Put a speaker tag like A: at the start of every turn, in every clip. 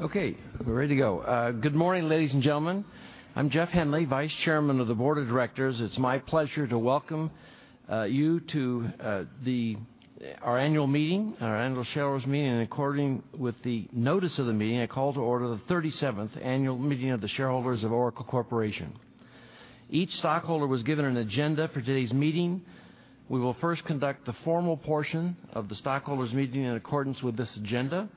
A: We're ready to go. Good morning, ladies and gentlemen. I'm Jeff Henley, Vice Chairman of the Board of Directors. It's my pleasure to welcome you to our annual shareholders meeting. In accordance with the notice of the meeting, I call to order the 37th annual meeting of the shareholders of Oracle Corporation. Each stockholder was given an agenda for today's meeting. We will first conduct the formal portion of the stockholders meeting in accordance with this agenda.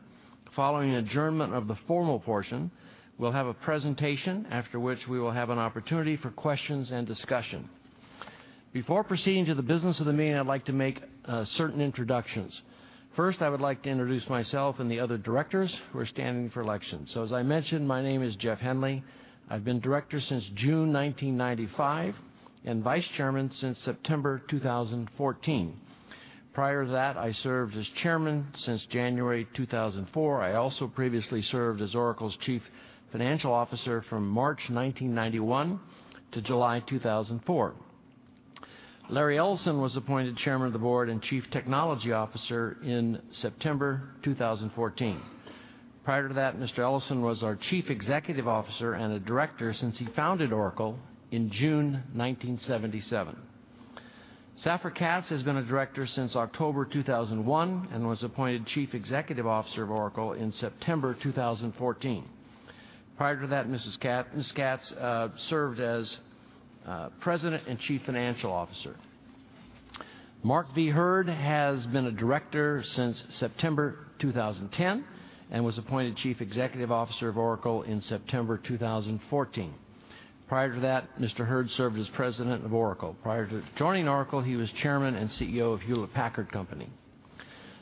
A: Following adjournment of the formal portion, we'll have a presentation after which we will have an opportunity for questions and discussion. Before proceeding to the business of the meeting, I'd like to make certain introductions. First, I would like to introduce myself and the other directors who are standing for election. As I mentioned, my name is Jeff Henley. I've been director since June 1995 and Vice Chairman since September 2014. Prior to that, I served as Chairman since January 2004. I also previously served as Oracle's Chief Financial Officer from March 1991 to July 2004. Larry Ellison was appointed Chairman of the Board and Chief Technology Officer in September 2014. Prior to that, Mr. Ellison was our Chief Executive Officer and a director since he founded Oracle in June 1977. Safra Catz has been a director since October 2001 and was appointed Chief Executive Officer of Oracle in September 2014. Prior to that, Ms. Catz served as President and Chief Financial Officer. Mark V. Hurd has been a director since September 2010 and was appointed Chief Executive Officer of Oracle in September 2014. Prior to that, Mr. Hurd served as President of Oracle. Prior to joining Oracle, he was Chairman and CEO of Hewlett-Packard Company.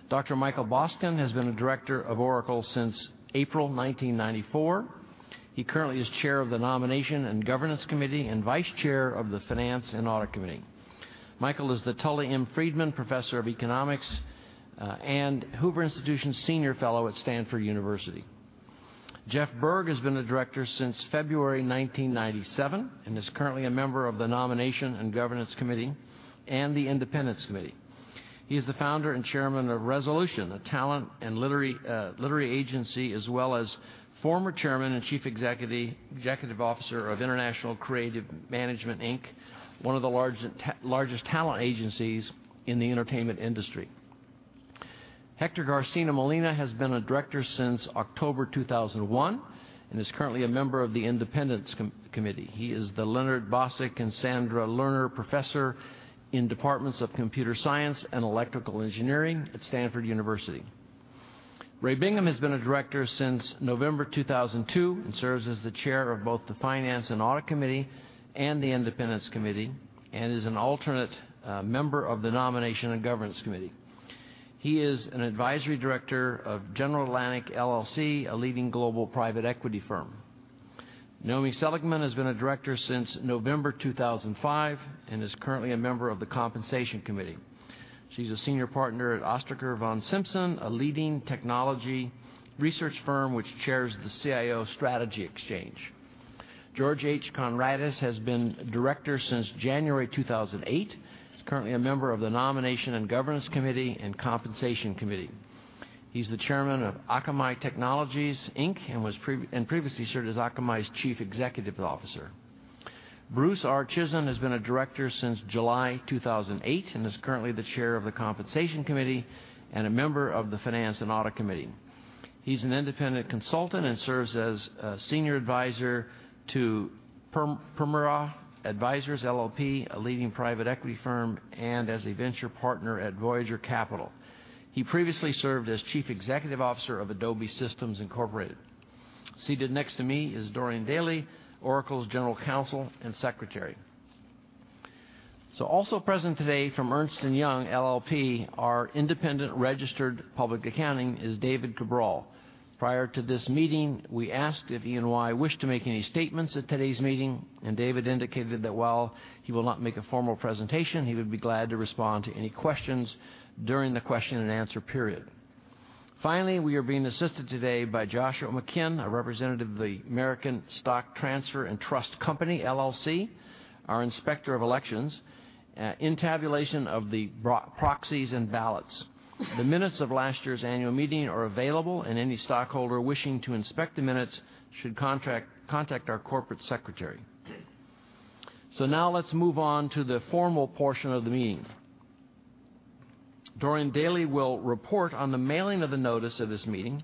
A: Dr. Michael Boskin has been a director of Oracle since April 1994. He currently is Chair of the Nomination and Governance Committee and Vice Chair of the Finance and Audit Committee. Michael is the Tully M. Friedman Professor of Economics and Hoover Institution Senior Fellow at Stanford University. Jeff Berg has been a director since February 1997 and is currently a member of the Nomination and Governance Committee and the Independence Committee. He is the founder and Chairman of Resolution, a talent and literary agency, as well as former Chairman and Chief Executive Officer of International Creative Management, Inc., one of the largest talent agencies in the entertainment industry. Hector Garcia-Molina has been a director since October 2001 and is currently a member of the Independence Committee. He is the Leonard Bosack and Sandra Lerner Professor in departments of computer science and electrical engineering at Stanford University. Ray Bingham has been a director since November 2002 and serves as the Chair of both the Finance and Audit Committee and the Independence Committee and is an alternate member of the Nomination and Governance Committee. He is an advisory director of General Atlantic LLC, a leading global private equity firm. Naomi Seligman has been a director since November 2005 and is currently a member of the Compensation Committee. She's a senior partner at Ostriker von Simson, a leading technology research firm which chairs the CIO Strategy Exchange. George H. Conrades has been a director since January 2008. He's currently a member of the Nomination and Governance Committee and Compensation Committee. He's the Chairman of Akamai Technologies, Inc. and previously served as Akamai's Chief Executive Officer. Bruce R. Bruce Chizen has been a director since July 2008 and is currently the chair of the Compensation Committee and a member of the Finance and Audit Committee. He's an independent consultant and serves as senior adviser to Permira Advisers LLP, a leading private equity firm, and as a venture partner at Voyager Capital. He previously served as chief executive officer of Adobe Systems Incorporated. Seated next to me is Dorian Daley, Oracle's general counsel and secretary. Also present today from Ernst & Young LLP, our independent registered public accounting, is David Cabral. Prior to this meeting, we asked if E&Y wished to make any statements at today's meeting, and David indicated that while he will not make a formal presentation, he would be glad to respond to any questions during the question and answer period. Finally, we are being assisted today by Josh McGinn, a representative of the American Stock Transfer & Trust Company, LLC, our Inspector of Elections, in tabulation of the proxies and ballots. The minutes of last year's annual meeting are available, and any stockholder wishing to inspect the minutes should contact our corporate secretary. Now let's move on to the formal portion of the meeting. Dorian Daley will report on the mailing of the notice of this meeting.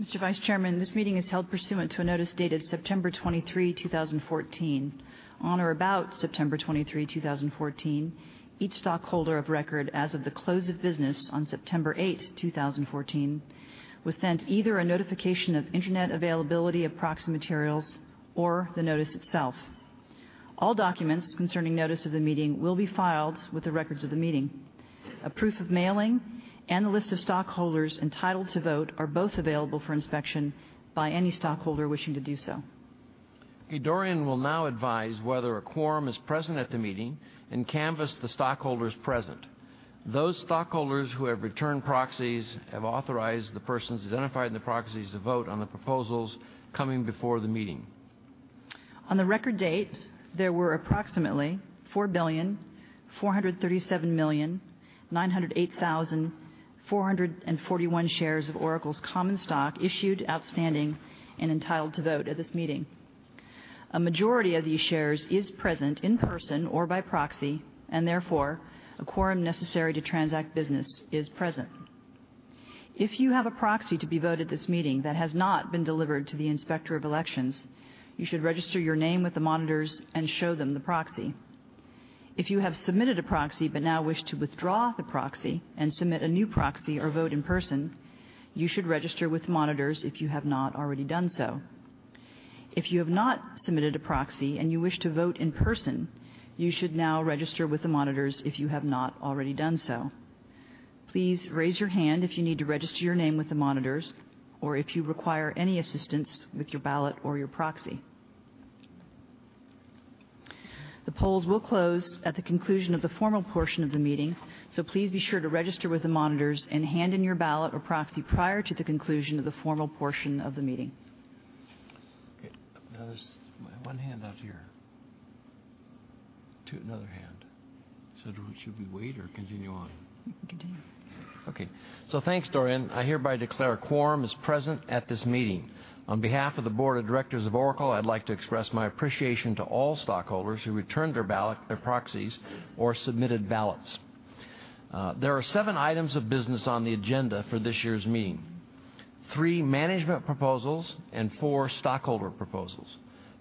B: Mr. Vice Chairman, this meeting is held pursuant to a notice dated September 23, 2014. On or about September 23, 2014, each stockholder of record as of the close of business on September 8, 2014, was sent either a notification of internet availability of proxy materials or the notice itself. All documents concerning notice of the meeting will be filed with the records of the meeting. A proof of mailing and the list of stockholders entitled to vote are both available for inspection by any stockholder wishing to do so.
A: Dorian will now advise whether a quorum is present at the meeting and canvass the stockholders present. Those stockholders who have returned proxies have authorized the persons identified in the proxies to vote on the proposals coming before the meeting.
B: On the record date, there were approximately 4,437,908,441 shares of Oracle's common stock issued, outstanding, and entitled to vote at this meeting. A majority of these shares is present in person or by proxy, therefore, a quorum necessary to transact business is present. If you have a proxy to be voted this meeting that has not been delivered to the Inspector of Elections, you should register your name with the monitors and show them the proxy. If you have submitted a proxy but now wish to withdraw the proxy and submit a new proxy or vote in person, you should register with the monitors if you have not already done so. If you have not submitted a proxy and you wish to vote in person, you should now register with the monitors if you have not already done so. Please raise your hand if you need to register your name with the monitors or if you require any assistance with your ballot or your proxy. The polls will close at the conclusion of the formal portion of the meeting, please be sure to register with the monitors and hand in your ballot or proxy prior to the conclusion of the formal portion of the meeting.
A: Okay. Now there's one hand out here. Two, another hand. Should we wait or continue on?
B: We can continue.
A: Thanks, Dorian. I hereby declare a quorum is present at this meeting. On behalf of the board of directors of Oracle, I'd like to express my appreciation to all stockholders who returned their proxies or submitted ballots. There are seven items of business on the agenda for this year's meeting, three management proposals and four stockholder proposals.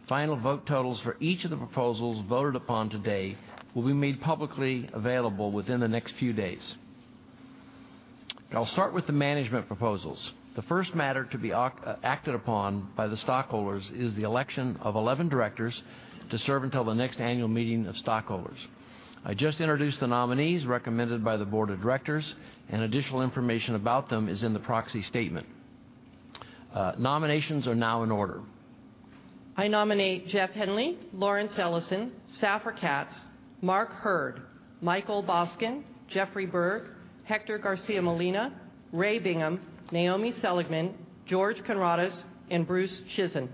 A: Final vote totals for each of the proposals voted upon today will be made publicly available within the next few days. I'll start with the management proposals. The first matter to be acted upon by the stockholders is the election of 11 directors to serve until the next annual meeting of stockholders. I just introduced the nominees recommended by the board of directors, and additional information about them is in the proxy statement. Nominations are now in order.
C: I nominate Jeff Henley, Lawrence Ellison, Safra Catz, Mark Hurd, Michael Boskin, Jeffrey Berg, Hector Garcia-Molina, Ray Bingham, Naomi Seligman, George Conrades, and Bruce Chizen.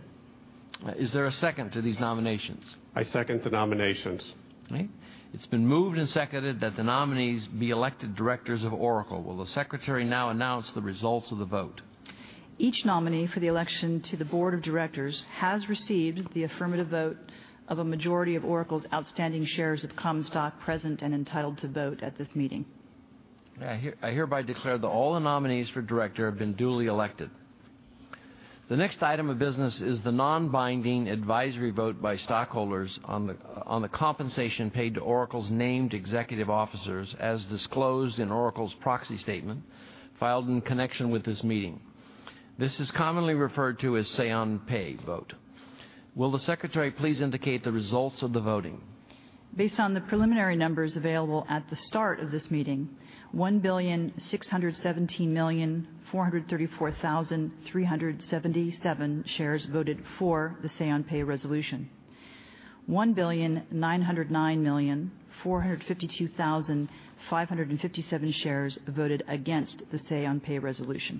A: Is there a second to these nominations?
D: I second the nominations.
A: Okay. It's been moved and seconded that the nominees be elected directors of Oracle. Will the secretary now announce the results of the vote?
B: Each nominee for the election to the board of directors has received the affirmative vote of a majority of Oracle's outstanding shares of common stock present and entitled to vote at this meeting.
A: I hereby declare that all the nominees for director have been duly elected. The next item of business is the non-binding advisory vote by stockholders on the compensation paid to Oracle's named executive officers as disclosed in Oracle's proxy statement filed in connection with this meeting. This is commonly referred to as say on pay vote. Will the secretary please indicate the results of the voting?
B: Based on the preliminary numbers available at the start of this meeting, 1,617,434,377 shares voted for the say on pay resolution. 1,909,452,557 shares voted against the say on pay resolution,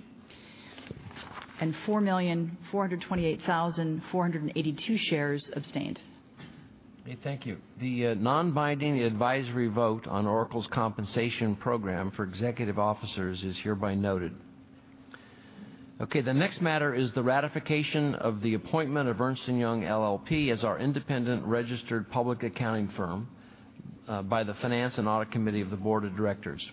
B: and 4,428,482 shares abstained.
A: Okay. Thank you. The non-binding advisory vote on Oracle's compensation program for executive officers is hereby noted. Okay. The next matter is the ratification of the appointment of Ernst & Young LLP as our independent registered public accounting firm by the Finance and Audit Committee of the board of directors.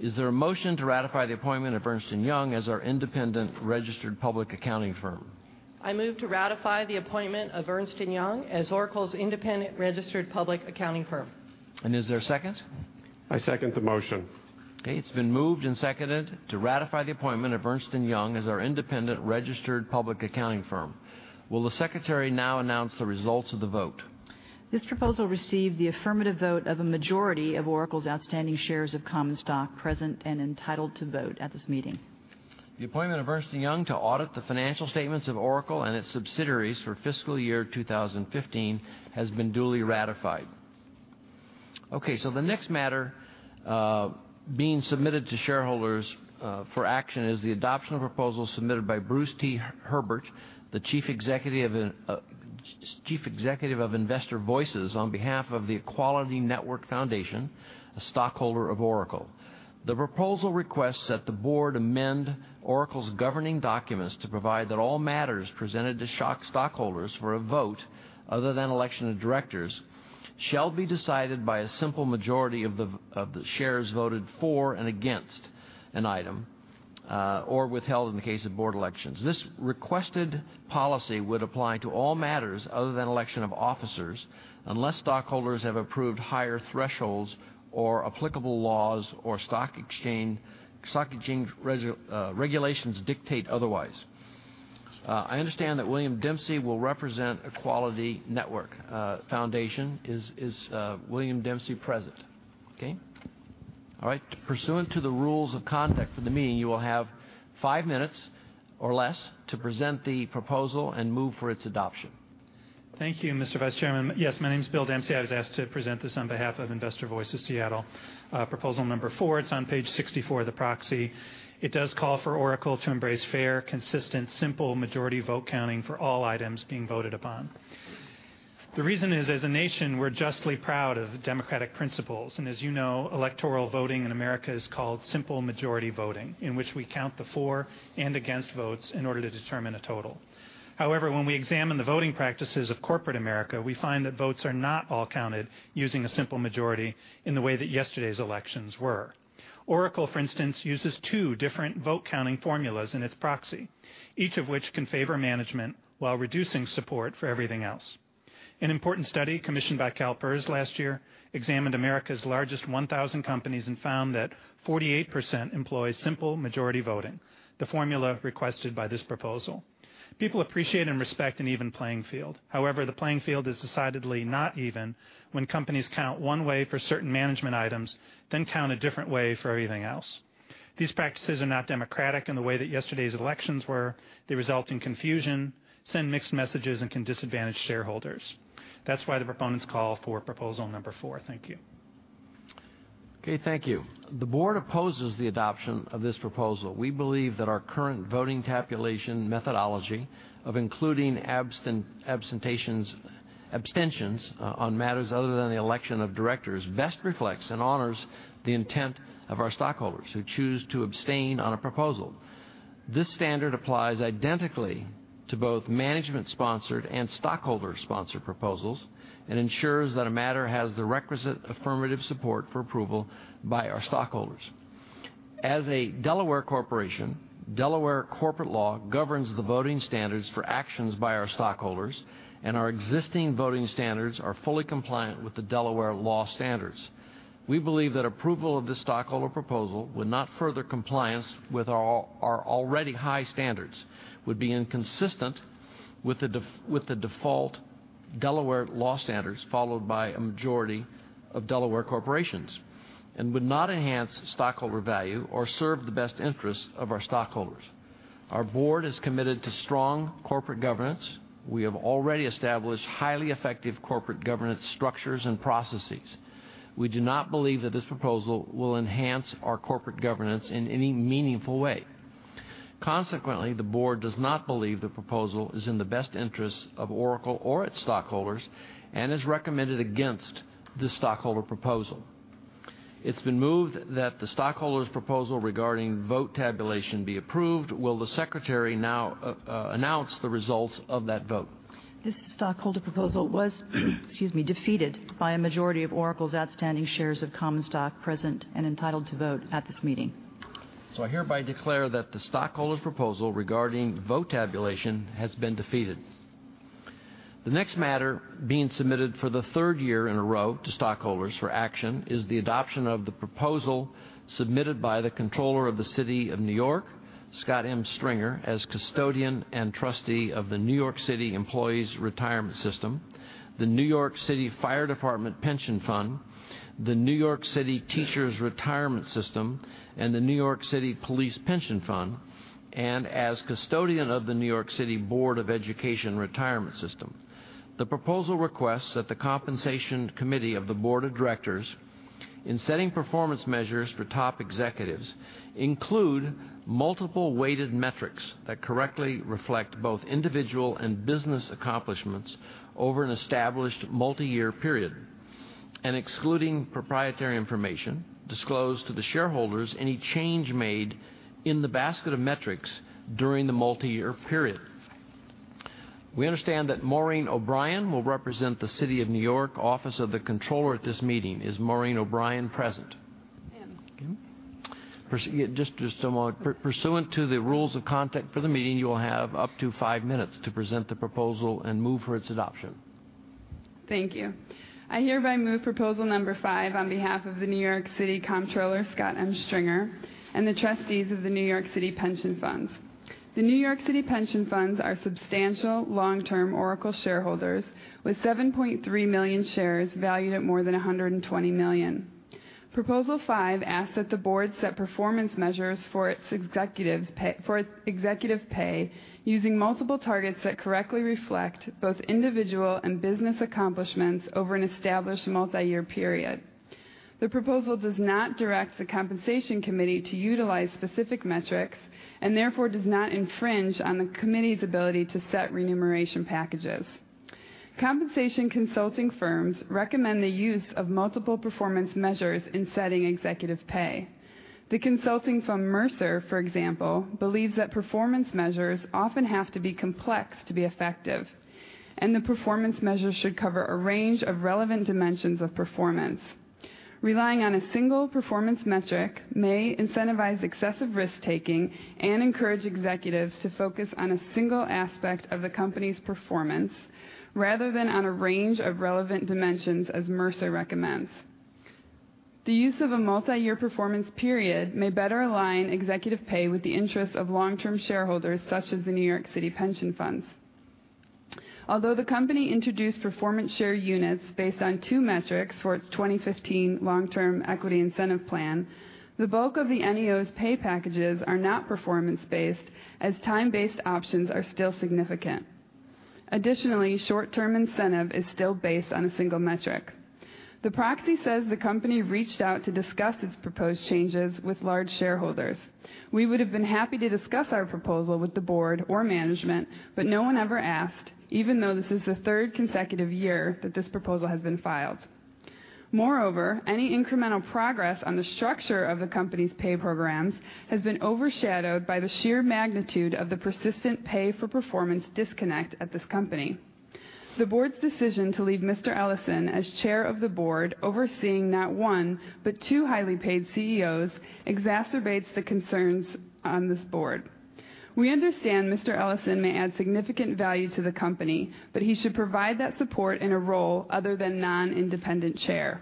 A: Is there a motion to ratify the appointment of Ernst & Young as our independent registered public accounting firm?
C: I move to ratify the appointment of Ernst & Young as Oracle's independent registered public accounting firm.
A: Is there a second?
D: I second the motion.
A: Okay, it's been moved and seconded to ratify the appointment of Ernst & Young as our independent registered public accounting firm. Will the secretary now announce the results of the vote?
B: This proposal received the affirmative vote of a majority of Oracle's outstanding shares of common stock present and entitled to vote at this meeting.
A: Okay, the next matter being submitted to shareholders for action is the adoption of proposal submitted by Bruce T. Herbert, the chief executive of Investor Voice on behalf of the Equality Network Foundation, a stockholder of Oracle. The proposal requests that the board amend Oracle's governing documents to provide that all matters presented to stockholders for a vote, other than election of directors, shall be decided by a simple majority of the shares voted for and against an item, or withheld in the case of board elections. This requested policy would apply to all matters other than election of officers, unless stockholders have approved higher thresholds or applicable laws or stock exchange regulations dictate otherwise. I understand that William Dempsey will represent Equality Network Foundation. Is William Dempsey present? Okay. All right. Pursuant to the rules of conduct for the meeting, you will have five minutes or less to present the proposal and move for its adoption.
E: Thank you, Mr. Vice Chairman. Yes, my name's Bill Dempsey. I was asked to present this on behalf of Investor Voice, Seattle, proposal number four. It's on page 64 of the proxy. It does call for Oracle to embrace fair, consistent, simple majority vote counting for all items being voted upon. The reason is, as a nation, we're justly proud of democratic principles. As you know, electoral voting in America is called simple majority voting, in which we count the for and against votes in order to determine a total. However, when we examine the voting practices of corporate America, we find that votes are not all counted using a simple majority in the way that yesterday's elections were. Oracle, for instance, uses two different vote counting formulas in its proxy, each of which can favor management while reducing support for everything else. An important study commissioned by CalPERS last year examined America's largest 1,000 companies and found that 48% employs simple majority voting, the formula requested by this proposal. People appreciate and respect an even playing field. However, the playing field is decidedly not even when companies count one way for certain management items, then count a different way for everything else. These practices are not democratic in the way that yesterday's elections were. They result in confusion, send mixed messages, and can disadvantage shareholders. That's why the proponents call for proposal number four. Thank you.
A: Okay, thank you. The board opposes the adoption of this proposal. We believe that our current voting tabulation methodology of including abstentions on matters other than the election of directors best reflects and honors the intent of our stockholders who choose to abstain on a proposal. This standard applies identically to both management-sponsored and stockholder-sponsored proposals and ensures that a matter has the requisite affirmative support for approval by our stockholders. As a Delaware corporation, Delaware corporate law governs the voting standards for actions by our stockholders, and our existing voting standards are fully compliant with the Delaware law standards. We believe that approval of this stockholder proposal would not further compliance with our already high standards, would be inconsistent with the default Delaware law standards followed by a majority of Delaware corporations, and would not enhance stockholder value or serve the best interests of our stockholders. Our board is committed to strong corporate governance. We have already established highly effective corporate governance structures and processes. We do not believe that this proposal will enhance our corporate governance in any meaningful way. Consequently, the board does not believe the proposal is in the best interest of Oracle or its stockholders and has recommended against this stockholder proposal. It's been moved that the stockholder's proposal regarding vote tabulation be approved. Will the secretary now announce the results of that vote?
B: This stockholder proposal was, excuse me, defeated by a majority of Oracle's outstanding shares of common stock present and entitled to vote at this meeting.
A: I hereby declare that the stockholder's proposal regarding vote tabulation has been defeated. The next matter being submitted for the third year in a row to stockholders for action is the adoption of the proposal submitted by the Comptroller of the City of New York, Scott M. Stringer, as custodian and trustee of the New York City Employees' Retirement System, the New York City Fire Department Pension Fund, the New York City Teachers' Retirement System, and the New York City Police Pension Fund, and as custodian of the New York City Board of Education Retirement System. The proposal requests that the Compensation Committee of the Board of Directors, in setting performance measures for top executives, include multiple weighted metrics that correctly reflect both individual and business accomplishments over an established multi-year period, and excluding proprietary information, disclose to the shareholders any change made in the basket of metrics during the multi-year period. We understand that Maureen O'Brien will represent the City of New York Office of the Comptroller at this meeting. Is Maureen O'Brien present?
F: I am.
A: Okay. Just a moment. Pursuant to the rules of conduct for the meeting, you will have up to five minutes to present the proposal and move for its adoption.
F: Thank you. I hereby move proposal number five on behalf of the New York City Comptroller, Scott M. Stringer, and the trustees of the New York City pension funds. The New York City pension funds are substantial long-term Oracle shareholders with 7.3 million shares valued at more than $120 million. Proposal five asks that the board set performance measures for its executive pay using multiple targets that correctly reflect both individual and business accomplishments over an established multi-year period. The proposal does not direct the Compensation Committee to utilize specific metrics and therefore does not infringe on the committee's ability to set remuneration packages. Compensation consulting firms recommend the use of multiple performance measures in setting executive pay. The consulting firm Mercer, for example, believes that performance measures often have to be complex to be effective, and the performance measures should cover a range of relevant dimensions of performance. Relying on a single performance metric may incentivize excessive risk-taking and encourage executives to focus on a single aspect of the company's performance rather than on a range of relevant dimensions as Mercer recommends. The use of a multi-year performance period may better align executive pay with the interests of long-term shareholders, such as the New York City pension funds. Although the company introduced Performance Share Units based on two metrics for its 2015 long-term equity incentive plan, the bulk of the NEO's pay packages are not performance-based, as time-based options are still significant. Additionally, short-term incentive is still based on a single metric. The proxy says the company reached out to discuss its proposed changes with large shareholders. We would have been happy to discuss our proposal with the board or management, no one ever asked, even though this is the third consecutive year that this proposal has been filed. Moreover, any incremental progress on the structure of the company's pay programs has been overshadowed by the sheer magnitude of the persistent pay-for-performance disconnect at this company. The board's decision to leave Mr. Ellison as chair of the board, overseeing not one, but two highly paid CEOs exacerbates the concerns on this board. We understand Mr. Ellison may add significant value to the company, but he should provide that support in a role other than non-independent chair.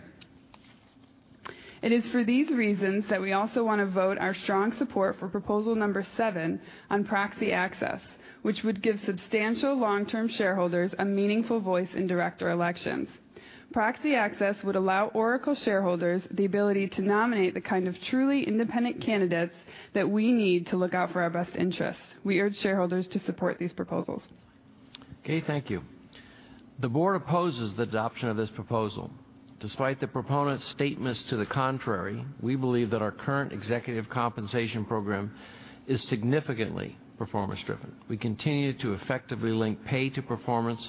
F: It is for these reasons that we also want to vote our strong support for proposal number seven on proxy access, which would give substantial long-term shareholders a meaningful voice in director elections. Proxy access would allow Oracle shareholders the ability to nominate the kind of truly independent candidates that we need to look out for our best interests. We urge shareholders to support these proposals.
A: Okay, thank you. The board opposes the adoption of this proposal. Despite the proponent's statements to the contrary, we believe that our current executive compensation program is significantly performance-driven. We continue to effectively link pay to performance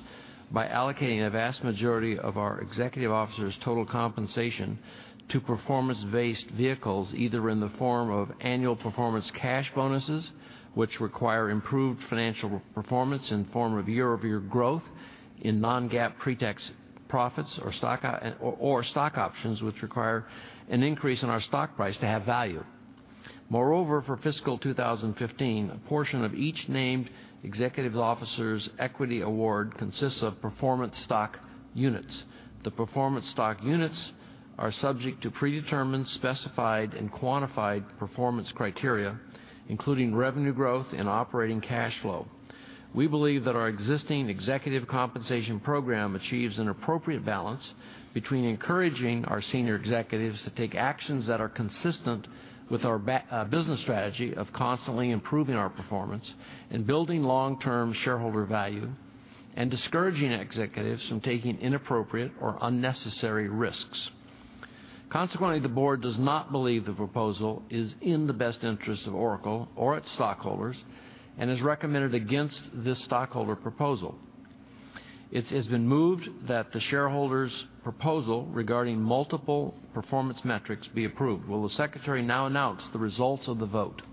A: by allocating a vast majority of our executive officers' total compensation to performance-based vehicles, either in the form of annual performance cash bonuses, which require improved financial performance in the form of year-over-year growth in non-GAAP pre-tax profits or stock options, which require an increase in our stock price to have value. Moreover, for fiscal 2015, a portion of each named executive officer's equity award consists of Performance Stock Units. The Performance Stock Units are subject to predetermined, specified, and quantified performance criteria, including revenue growth and operating cash flow. We believe that our existing executive compensation program achieves an appropriate balance between encouraging our senior executives to take actions that are consistent with our business strategy of constantly improving our performance and building long-term shareholder value and discouraging executives from taking inappropriate or unnecessary risks. Consequently, the board does not believe the proposal is in the best interest of Oracle or its stockholders and has recommended against this stockholder proposal. It has been moved that the shareholders' proposal regarding multiple performance metrics be approved. Will the secretary now announce the results of the vote?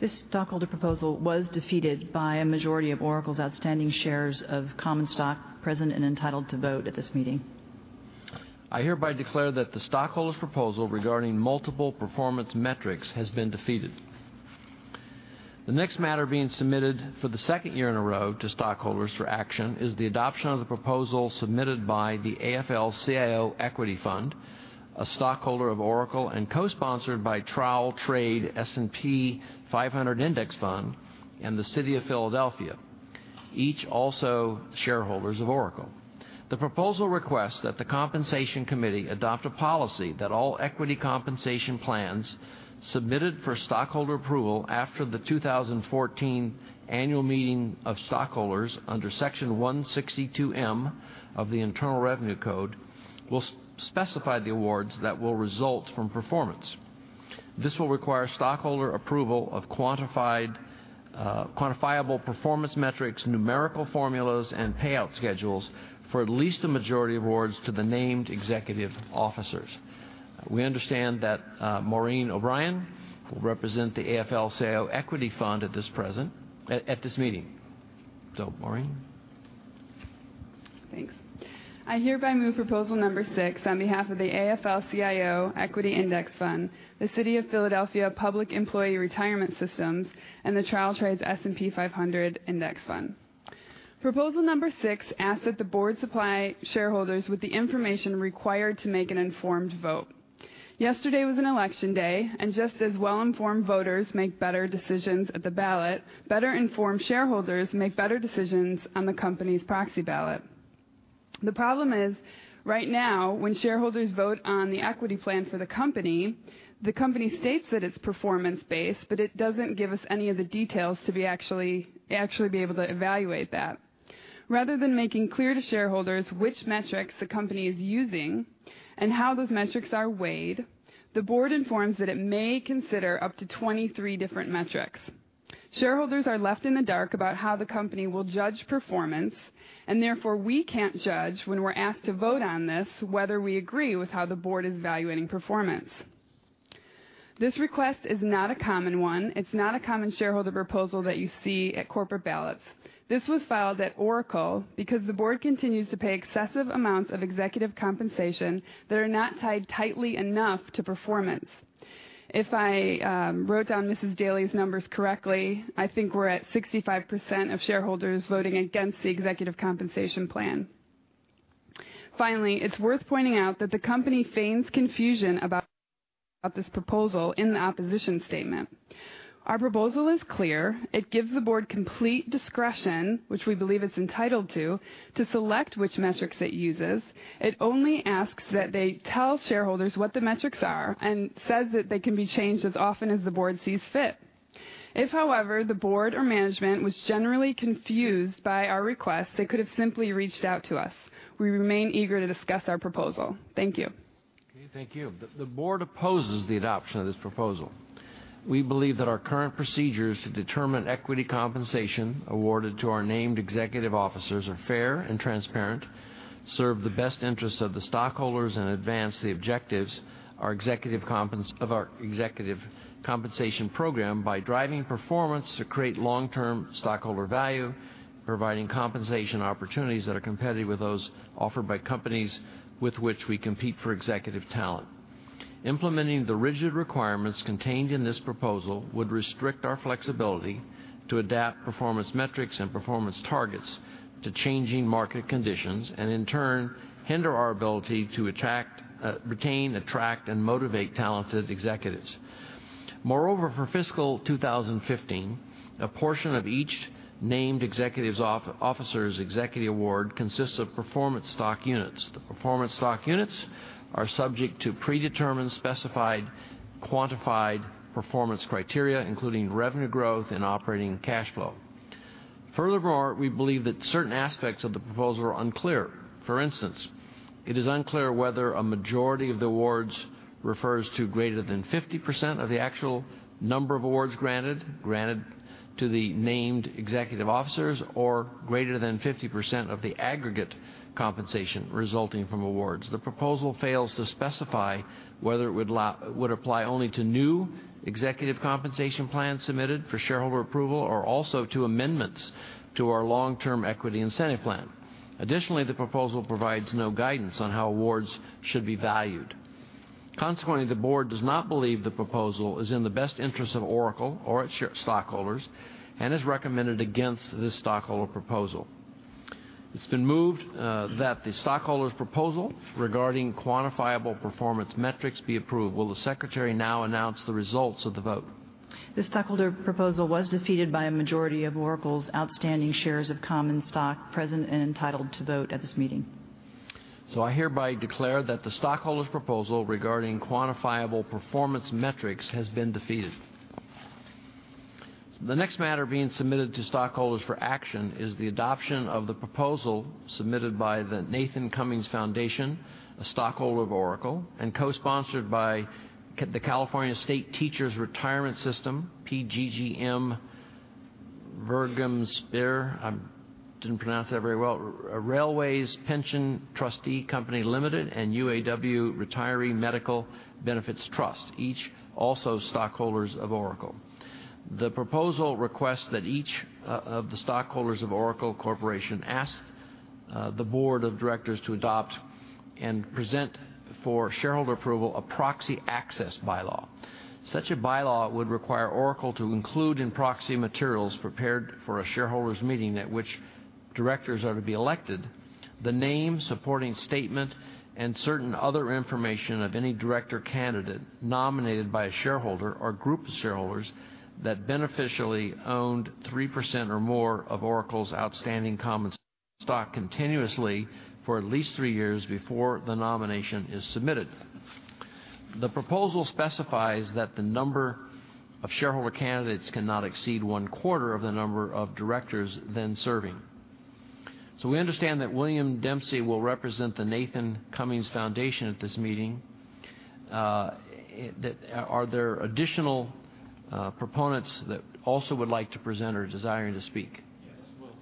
B: This stockholder proposal was defeated by a majority of Oracle's outstanding shares of common stock present and entitled to vote at this meeting.
A: I hereby declare that the stockholders' proposal regarding multiple performance metrics has been defeated. The next matter being submitted for the second year in a row to stockholders for action is the adoption of the proposal submitted by the AFL-CIO Equity Fund, a stockholder of Oracle, and co-sponsored by Trowel Trades S&P 500 Index Fund and the City of Philadelphia, each also shareholders of Oracle. The proposal requests that the Compensation Committee adopt a policy that all equity compensation plans submitted for stockholder approval after the 2014 annual meeting of stockholders under Section 162(m) of the Internal Revenue Code will specify the awards that will result from performance. This will require stockholder approval of quantifiable performance metrics, numerical formulas, and payout schedules for at least a majority of awards to the named executive officers. We understand that Maureen O'Brien will represent the AFL-CIO Equity Fund at this meeting. Maureen.
F: Thanks. I hereby move proposal number six on behalf of the AFL-CIO Equity Index Fund, the City of Philadelphia Public Employees Retirement System, and the Trowal Trades S&P 500 Index Fund. Proposal number six asks that the board supply shareholders with the information required to make an informed vote. Just as well-informed voters make better decisions at the ballot, better-informed shareholders make better decisions on the company's proxy ballot. The problem is, right now, when shareholders vote on the equity plan for the company, the company states that it's performance-based, it doesn't give us any of the details to actually be able to evaluate that. Rather than making clear to shareholders which metrics the company is using and how those metrics are weighed, the board informs that it may consider up to 23 different metrics. Shareholders are left in the dark about how the company will judge performance, therefore we can't judge when we're asked to vote on this, whether we agree with how the board is evaluating performance. This request is not a common one. It's not a common shareholder proposal that you see at corporate ballots. This was filed at Oracle because the board continues to pay excessive amounts of executive compensation that are not tied tightly enough to performance. If I wrote down Mrs. Daley's numbers correctly, I think we're at 65% of shareholders voting against the executive compensation plan. It's worth pointing out that the company feigns confusion about this proposal in the opposition statement. Our proposal is clear. It gives the board complete discretion, which we believe it's entitled to select which metrics it uses. It only asks that they tell shareholders what the metrics are and says that they can be changed as often as the board sees fit. However, the board or management was generally confused by our request, they could have simply reached out to us. We remain eager to discuss our proposal. Thank you.
A: Okay, thank you. The board opposes the adoption of this proposal. We believe that our current procedures to determine equity compensation awarded to our named executive officers are fair and transparent, serve the best interests of the stockholders, and advance the objectives of our executive compensation program by driving performance to create long-term stockholder value, providing compensation opportunities that are competitive with those offered by companies with which we compete for executive talent. Implementing the rigid requirements contained in this proposal would restrict our flexibility to adapt performance metrics and performance targets to changing market conditions, and in turn, hinder our ability to retain, attract, and motivate talented executives. Moreover, for fiscal 2015, a portion of each named executive officer's executive award consists of Performance Stock Units. The Performance Stock Units are subject to predetermined, specified, quantified performance criteria, including revenue growth and operating cash flow. We believe that certain aspects of the proposal are unclear. For instance, it is unclear whether a majority of the awards refers to greater than 50% of the actual number of awards granted to the named executive officers or greater than 50% of the aggregate compensation resulting from awards. The proposal fails to specify whether it would apply only to new executive compensation plans submitted for shareholder approval or also to amendments to our long-term equity incentive plan. The proposal provides no guidance on how awards should be valued. The board does not believe the proposal is in the best interest of Oracle or its stockholders and has recommended against this stockholder proposal. It's been moved that the stockholder's proposal regarding quantifiable performance metrics be approved. Will the secretary now announce the results of the vote?
B: The stockholder proposal was defeated by a majority of Oracle's outstanding shares of common stock present and entitled to vote at this meeting.
A: I hereby declare that the stockholder's proposal regarding quantifiable performance metrics has been defeated. The next matter being submitted to stockholders for action is the adoption of the proposal submitted by the Nathan Cummings Foundation, a stockholder of Oracle, and co-sponsored by the California State Teachers' Retirement System, PGGM Vermogensbeheer, I didn't pronounce that very well, Railways Pension Trustee Company Limited, and UAW Retiree Medical Benefits Trust, each also stockholders of Oracle. The proposal requests that each of the stockholders of Oracle Corporation ask the board of directors to adopt and present for shareholder approval a proxy access bylaw. Such a bylaw would require Oracle to include in proxy materials prepared for a shareholders' meeting at which directors are to be elected, the name, supporting statement, and certain other information of any director candidate nominated by a shareholder or group of shareholders that beneficially owned 3% or more of Oracle's outstanding common stock continuously for at least three years before the nomination is submitted. The proposal specifies that the number of shareholder candidates cannot exceed one-quarter of the number of directors then serving. We understand that William Dempsey will represent the Nathan Cummings Foundation at this meeting. Are there additional proponents that also would like to present or desiring to speak?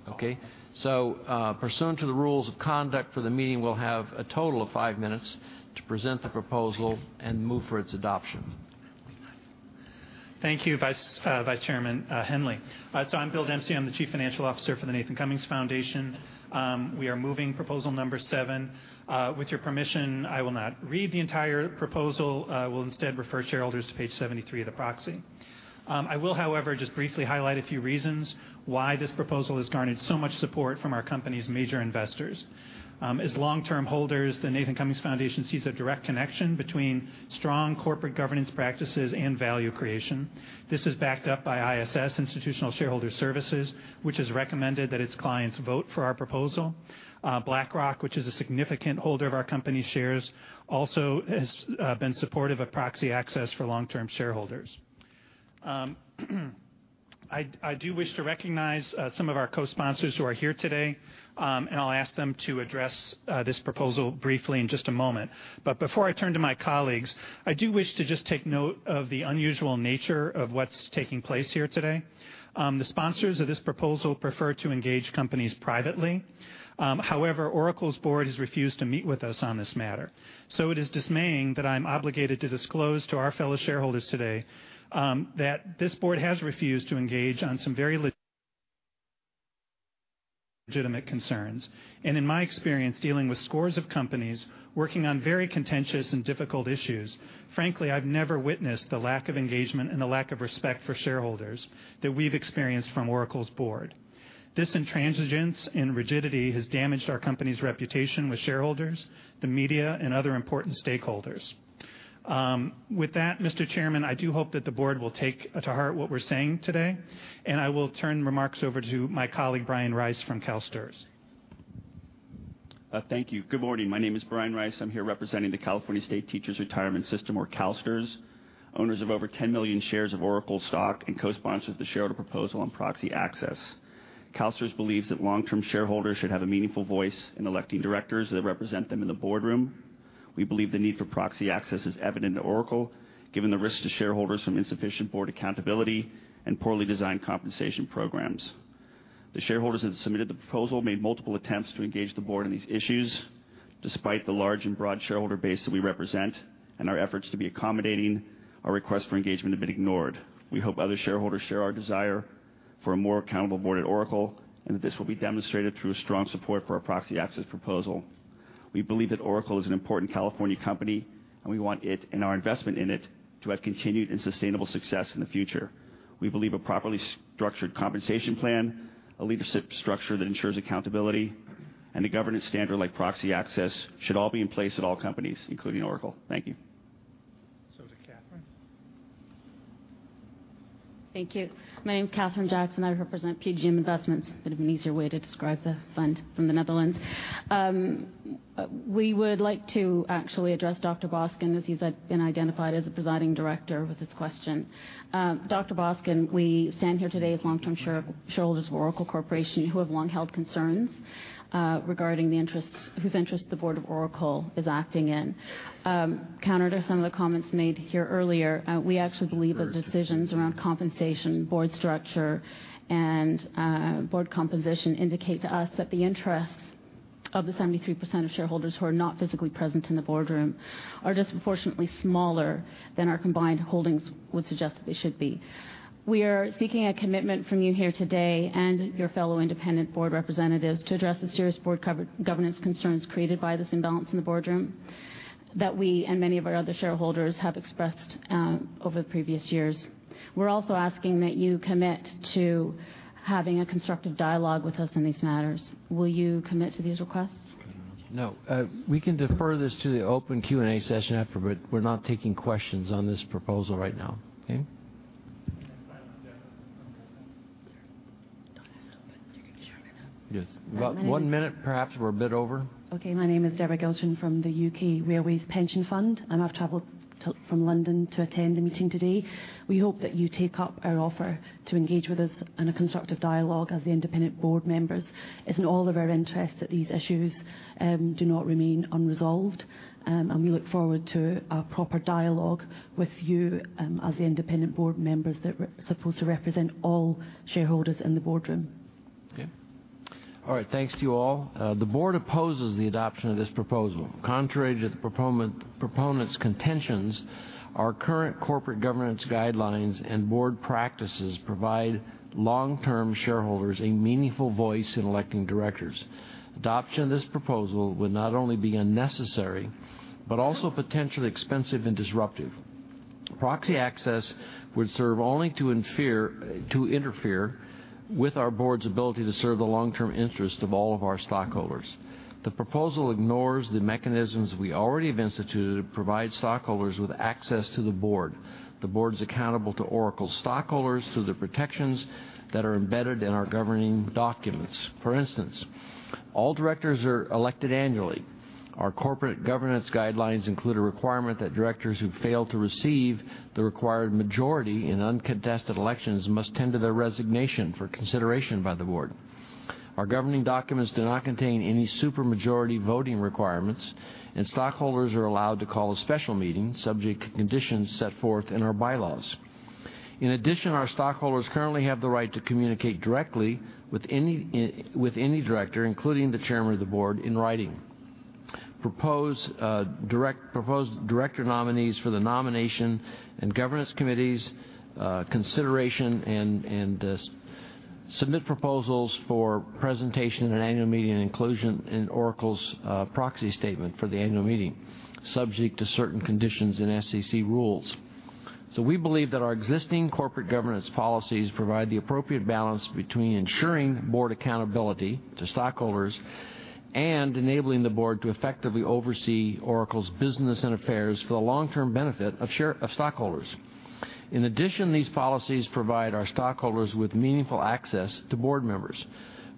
E: Yes.
A: Okay. Pursuant to the rules of conduct for the meeting, we'll have a total of five minutes to present the proposal and move for its adoption.
E: Thank you, Vice Chairman Henley. I'm Bill Dempsey. I'm the Chief Financial Officer for the Nathan Cummings Foundation. We are moving proposal number seven. With your permission, I will not read the entire proposal. I will instead refer shareholders to page 73 of the proxy. I will, however, just briefly highlight a few reasons why this proposal has garnered so much support from our company's major investors. As long-term holders, the Nathan Cummings Foundation sees a direct connection between strong corporate governance practices and value creation. This is backed up by ISS, Institutional Shareholder Services, which has recommended that its clients vote for our proposal. BlackRock, which is a significant holder of our company's shares, also has been supportive of proxy access for long-term shareholders. I do wish to recognize some of our co-sponsors who are here today. I'll ask them to address this proposal briefly in just a moment. Before I turn to my colleagues, I do wish to just take note of the unusual nature of what's taking place here today. The sponsors of this proposal prefer to engage companies privately. However, Oracle's board has refused to meet with us on this matter. It is dismaying that I'm obligated to disclose to our fellow shareholders today that this board has refused to engage on some very legitimate concerns. In my experience dealing with scores of companies working on very contentious and difficult issues, frankly, I've never witnessed the lack of engagement and the lack of respect for shareholders that we've experienced from Oracle's board. This intransigence and rigidity has damaged our company's reputation with shareholders, the media, and other important stakeholders. With that, Mr. Chairman, I do hope that the board will take to heart what we're saying today, and I will turn remarks over to my colleague, Brian Rice from CalSTRS.
G: Thank you. Good morning. My name is Brian Rice. I'm here representing the California State Teachers' Retirement System, or CalSTRS, owners of over 10 million shares of Oracle stock and co-sponsors of the shareholder proposal on proxy access. CalSTRS believes that long-term shareholders should have a meaningful voice in electing directors that represent them in the boardroom. We believe the need for proxy access is evident to Oracle, given the risk to shareholders from insufficient board accountability and poorly designed compensation programs. The shareholders that submitted the proposal made multiple attempts to engage the board on these issues. Despite the large and broad shareholder base that we represent and our efforts to be accommodating, our request for engagement have been ignored. We hope other shareholders share our desire for a more accountable board at Oracle, and that this will be demonstrated through a strong support for our proxy access proposal. We believe that Oracle is an important California company, and we want it and our investment in it to have continued and sustainable success in the future. We believe a properly structured compensation plan, a leadership structure that ensures accountability, and a governance standard like proxy access should all be in place at all companies, including Oracle. Thank you.
A: To Catherine.
H: Thank you. My name is Catherine Jackson. I represent PGGM Investments. Bit of an easier way to describe the fund from the Netherlands. We would like to actually address Dr. Boskin, as he's been identified as the presiding director with this question. Dr. Boskin, we stand here today as long-term shareholders of Oracle Corporation who have long held concerns regarding whose interest the board of Oracle is acting in. Counter to some of the comments made here earlier, we actually believe that decisions around compensation, board structure, and board composition indicate to us that the interests of the 73% of shareholders who are not physically present in the boardroom are disproportionately smaller than our combined holdings would suggest that they should be. We are seeking a commitment from you here today and your fellow independent board representatives to address the serious board governance concerns created by this imbalance in the boardroom that we and many of our other shareholders have expressed over the previous years. We're also asking that you commit to having a constructive dialogue with us on these matters. Will you commit to these requests?
A: No. We can defer this to the open Q&A session after. We're not taking questions on this proposal right now. Okay? Yes. About one minute, perhaps we're a bit over.
I: Okay. My name is Deborah Gilshan from the U.K. Railways Pension Fund. I've traveled from London to attend the meeting today. We hope that you take up our offer to engage with us in a constructive dialogue as the independent board members. It's in all of our interests that these issues do not remain unresolved. We look forward to a proper dialogue with you as the independent board members that are supposed to represent all shareholders in the boardroom.
A: Okay. All right. Thanks to you all. The board opposes the adoption of this proposal. Contrary to the proponents' contentions, our current corporate governance guidelines and board practices provide long-term shareholders a meaningful voice in electing directors. Adoption of this proposal would not only be unnecessary, but also potentially expensive and disruptive. Proxy access would serve only to interfere with our board's ability to serve the long-term interest of all of our stockholders. The proposal ignores the mechanisms we already have instituted to provide stockholders with access to the board. The board's accountable to Oracle stockholders through the protections that are embedded in our governing documents. For instance, all directors are elected annually. Our corporate governance guidelines include a requirement that directors who fail to receive the required majority in uncontested elections must tender their resignation for consideration by the board. Our governing documents do not contain any supermajority voting requirements, stockholders are allowed to call a special meeting subject to conditions set forth in our bylaws. In addition, our stockholders currently have the right to communicate directly with any director, including the chairman of the board, in writing, propose director nominees for the nomination and governance committee's consideration, and submit proposals for presentation in an annual meeting and inclusion in Oracle's proxy statement for the annual meeting, subject to certain conditions in SEC rules. We believe that our existing corporate governance policies provide the appropriate balance between ensuring board accountability to stockholders and enabling the board to effectively oversee Oracle's business and affairs for the long-term benefit of stockholders. In addition, these policies provide our stockholders with meaningful access to board members.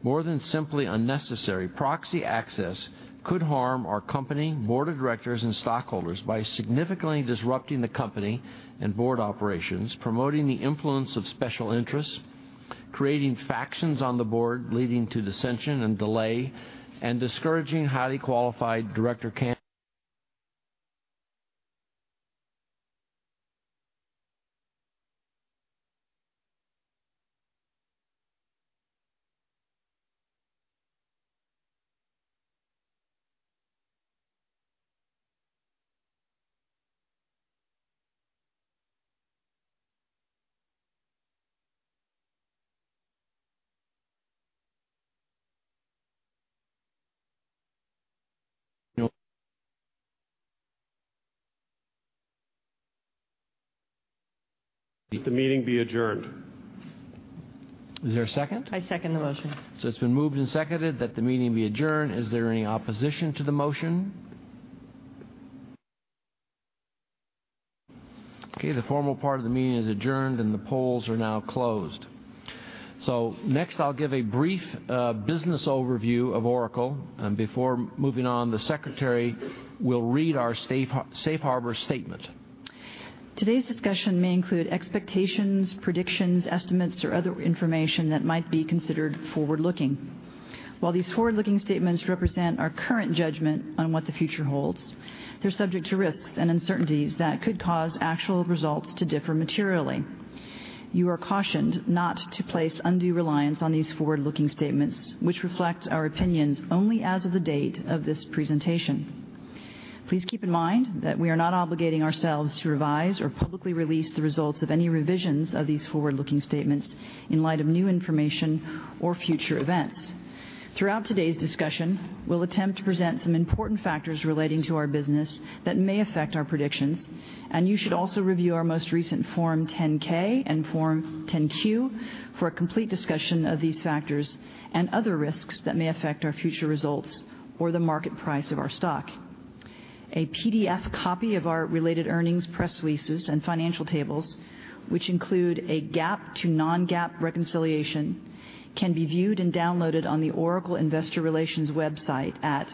A: More than simply unnecessary, proxy access could harm our company, board of directors, and stockholders by significantly disrupting the company and board operations, promoting the influence of special interests, creating factions on the board, leading to dissension and delay, and discouraging highly qualified director.
E: No. That the meeting be adjourned.
A: Is there a second?
C: I second the motion.
A: It's been moved and seconded that the meeting be adjourned. Is there any opposition to the motion? Okay, the formal part of the meeting is adjourned and the polls are now closed. Next, I'll give a brief business overview of Oracle. Before moving on, the secretary will read our safe harbor statement.
B: Today's discussion may include expectations, predictions, estimates, or other information that might be considered forward-looking. While these forward-looking statements represent our current judgment on what the future holds, they're subject to risks and uncertainties that could cause actual results to differ materially. You are cautioned not to place undue reliance on these forward-looking statements, which reflect our opinions only as of the date of this presentation. Please keep in mind that we are not obligating ourselves to revise or publicly release the results of any revisions of these forward-looking statements in light of new information or future events. Throughout today's discussion, we'll attempt to present some important factors relating to our business that may affect our predictions, and you should also review our most recent Form 10-K and Form 10-Q for a complete discussion of these factors and other risks that may affect our future results or the market price of our stock. A PDF copy of our related earnings, press releases, and financial tables, which include a GAAP to non-GAAP reconciliation, can be viewed and downloaded on the Oracle investor relations website at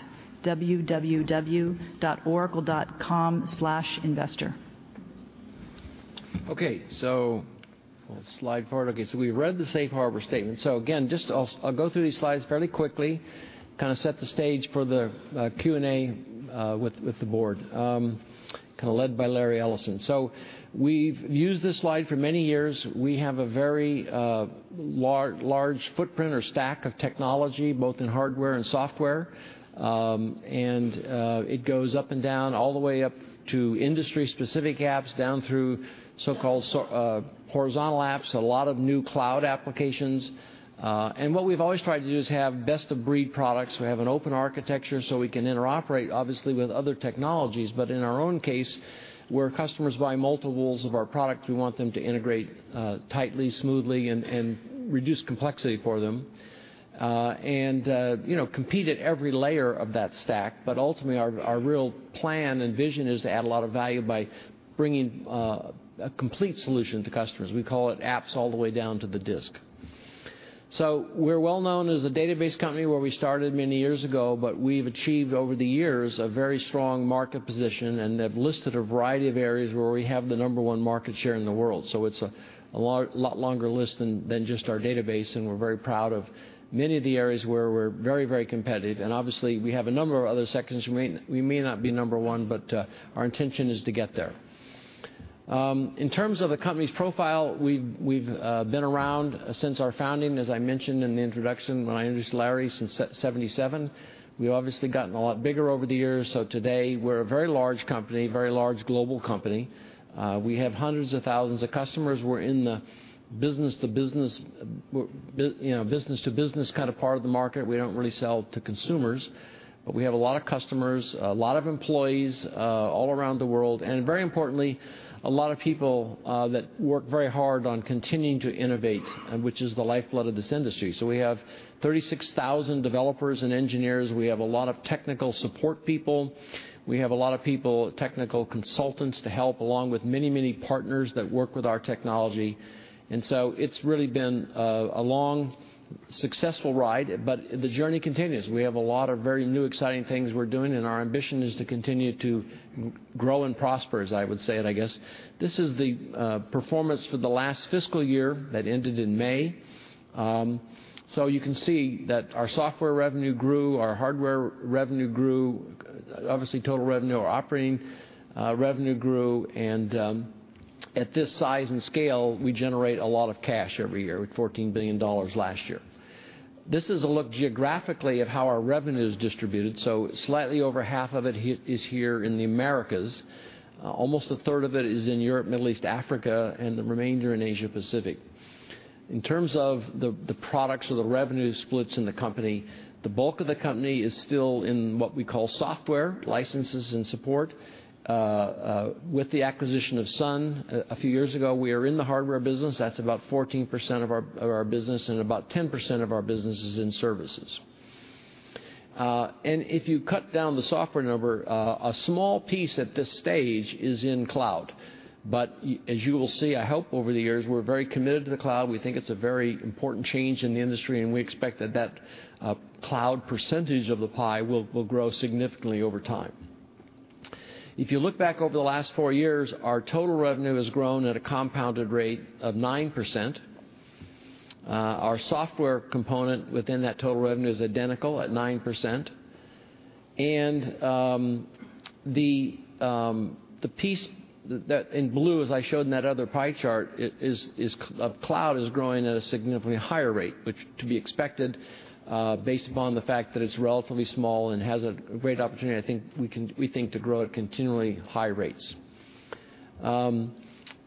B: www.oracle.com/investor.
A: Okay. We'll slide forward. We read the safe harbor statement. Again, I'll go through these slides fairly quickly, set the stage for the Q&A with the board, led by Larry Ellison. We've used this slide for many years. We have a very large footprint or stack of technology, both in hardware and software. It goes up and down all the way up to industry-specific apps, down through so-called horizontal apps, a lot of new cloud applications. What we've always tried to do is have best-of-breed products. We have an open architecture so we can interoperate, obviously, with other technologies. In our own case, where customers buy multiples of our product, we want them to integrate tightly, smoothly, and reduce complexity for them, and compete at every layer of that stack. Ultimately, our real plan and vision is to add a lot of value by bringing a complete solution to customers. We call it apps all the way down to the disk. We're well known as a database company where we started many years ago, but we've achieved over the years a very strong market position and have listed a variety of areas where we have the number 1 market share in the world. It's a lot longer list than just our database, and we're very proud of many of the areas where we're very competitive. Obviously, we have a number of other sections we may not be number 1, but our intention is to get there. In terms of the company's profile, we've been around since our founding, as I mentioned in the introduction, when I introduced Larry, since 1977. We've obviously gotten a lot bigger over the years. Today, we're a very large company, very large global company. We have hundreds of thousands of customers. We're in the business-to-business part of the market. We don't really sell to consumers, but we have a lot of customers, a lot of employees all around the world, and very importantly, a lot of people that work very hard on continuing to innovate, which is the lifeblood of this industry. We have 36,000 developers and engineers. We have a lot of technical support people. We have a lot of people, technical consultants, to help, along with many partners that work with our technology. It's really been a long, successful ride, but the journey continues. We have a lot of very new, exciting things we're doing, and our ambition is to continue to grow and prosper, as I would say it, I guess. This is the performance for the last fiscal year that ended in May. You can see that our software revenue grew, our hardware revenue grew, obviously total revenue, our operating revenue grew, and at this size and scale, we generate a lot of cash every year, with $14 billion last year. This is a look geographically at how our revenue is distributed. Slightly over half of it is here in the Americas. Almost a third of it is in Europe, Middle East, Africa, and the remainder in Asia Pacific. In terms of the products or the revenue splits in the company, the bulk of the company is still in what we call software licenses and support. With the acquisition of Sun a few years ago, we are in the hardware business. That's about 14% of our business, and about 10% of our business is in services. If you cut down the software number, a small piece at this stage is in cloud. As you will see, I hope over the years, we're very committed to the cloud. We think it's a very important change in the industry, and we expect that cloud percentage of the pie will grow significantly over time. If you look back over the last four years, our total revenue has grown at a compounded rate of 9%. Our software component within that total revenue is identical at 9%. The piece in blue, as I showed in that other pie chart, cloud is growing at a significantly higher rate, which to be expected based upon the fact that it's relatively small and has a great opportunity, we think, to grow at continually high rates.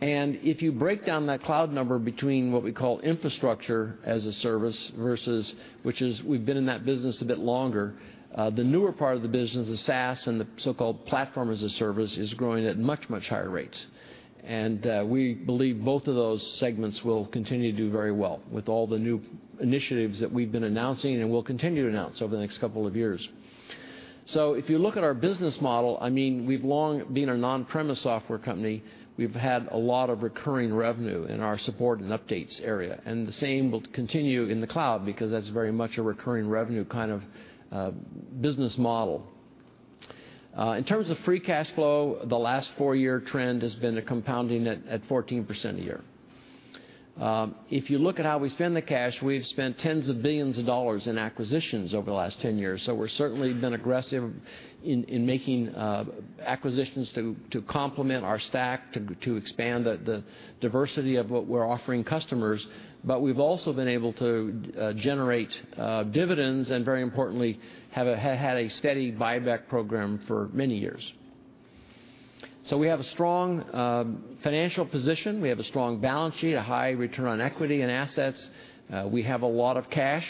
A: If you break down that cloud number between what we call Infrastructure as a Service versus, which is we've been in that business a bit longer. The newer part of the business, the SaaS and the so-called Platform as a Service, is growing at much higher rates. We believe both of those segments will continue to do very well with all the new initiatives that we've been announcing and will continue to announce over the next couple of years. If you look at our business model, we've long been an on-premise software company. We've had a lot of recurring revenue in our support and updates area, and the same will continue in the cloud because that's very much a recurring revenue kind of business model. In terms of free cash flow, the last four-year trend has been a compounding at 14% a year. If you look at how we spend the cash, we've spent tens of billions of dollars in acquisitions over the last 10 years, so we're certainly been aggressive in making acquisitions to complement our stack, to expand the diversity of what we're offering customers. We've also been able to generate dividends and very importantly, have had a steady buyback program for many years. We have a strong financial position. We have a strong balance sheet, a high return on equity and assets. We have a lot of cash.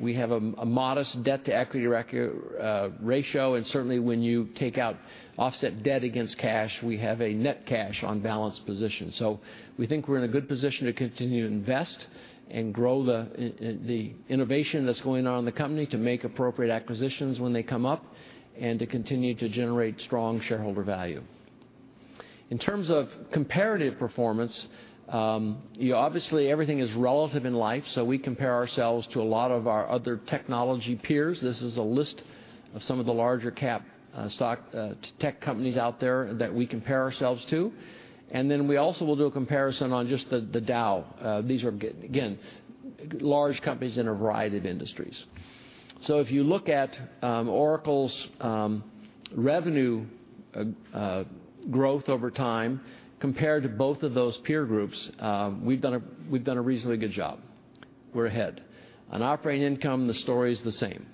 A: We have a modest debt-to-equity ratio, certainly when you take out offset debt against cash, we have a net cash on balance position. We think we're in a good position to continue to invest and grow the innovation that's going on in the company to make appropriate acquisitions when they come up, to continue to generate strong shareholder value. In terms of comparative performance, obviously everything is relative in life, we compare ourselves to a lot of our other technology peers. This is a list of some of the larger cap stock tech companies out there that we compare ourselves to. We also will do a comparison on just the Dow. These are, again, large companies in a variety of industries. If you look at Oracle's revenue growth over time compared to both of those peer groups, we've done a reasonably good job. We're ahead. On operating income, the story is the same.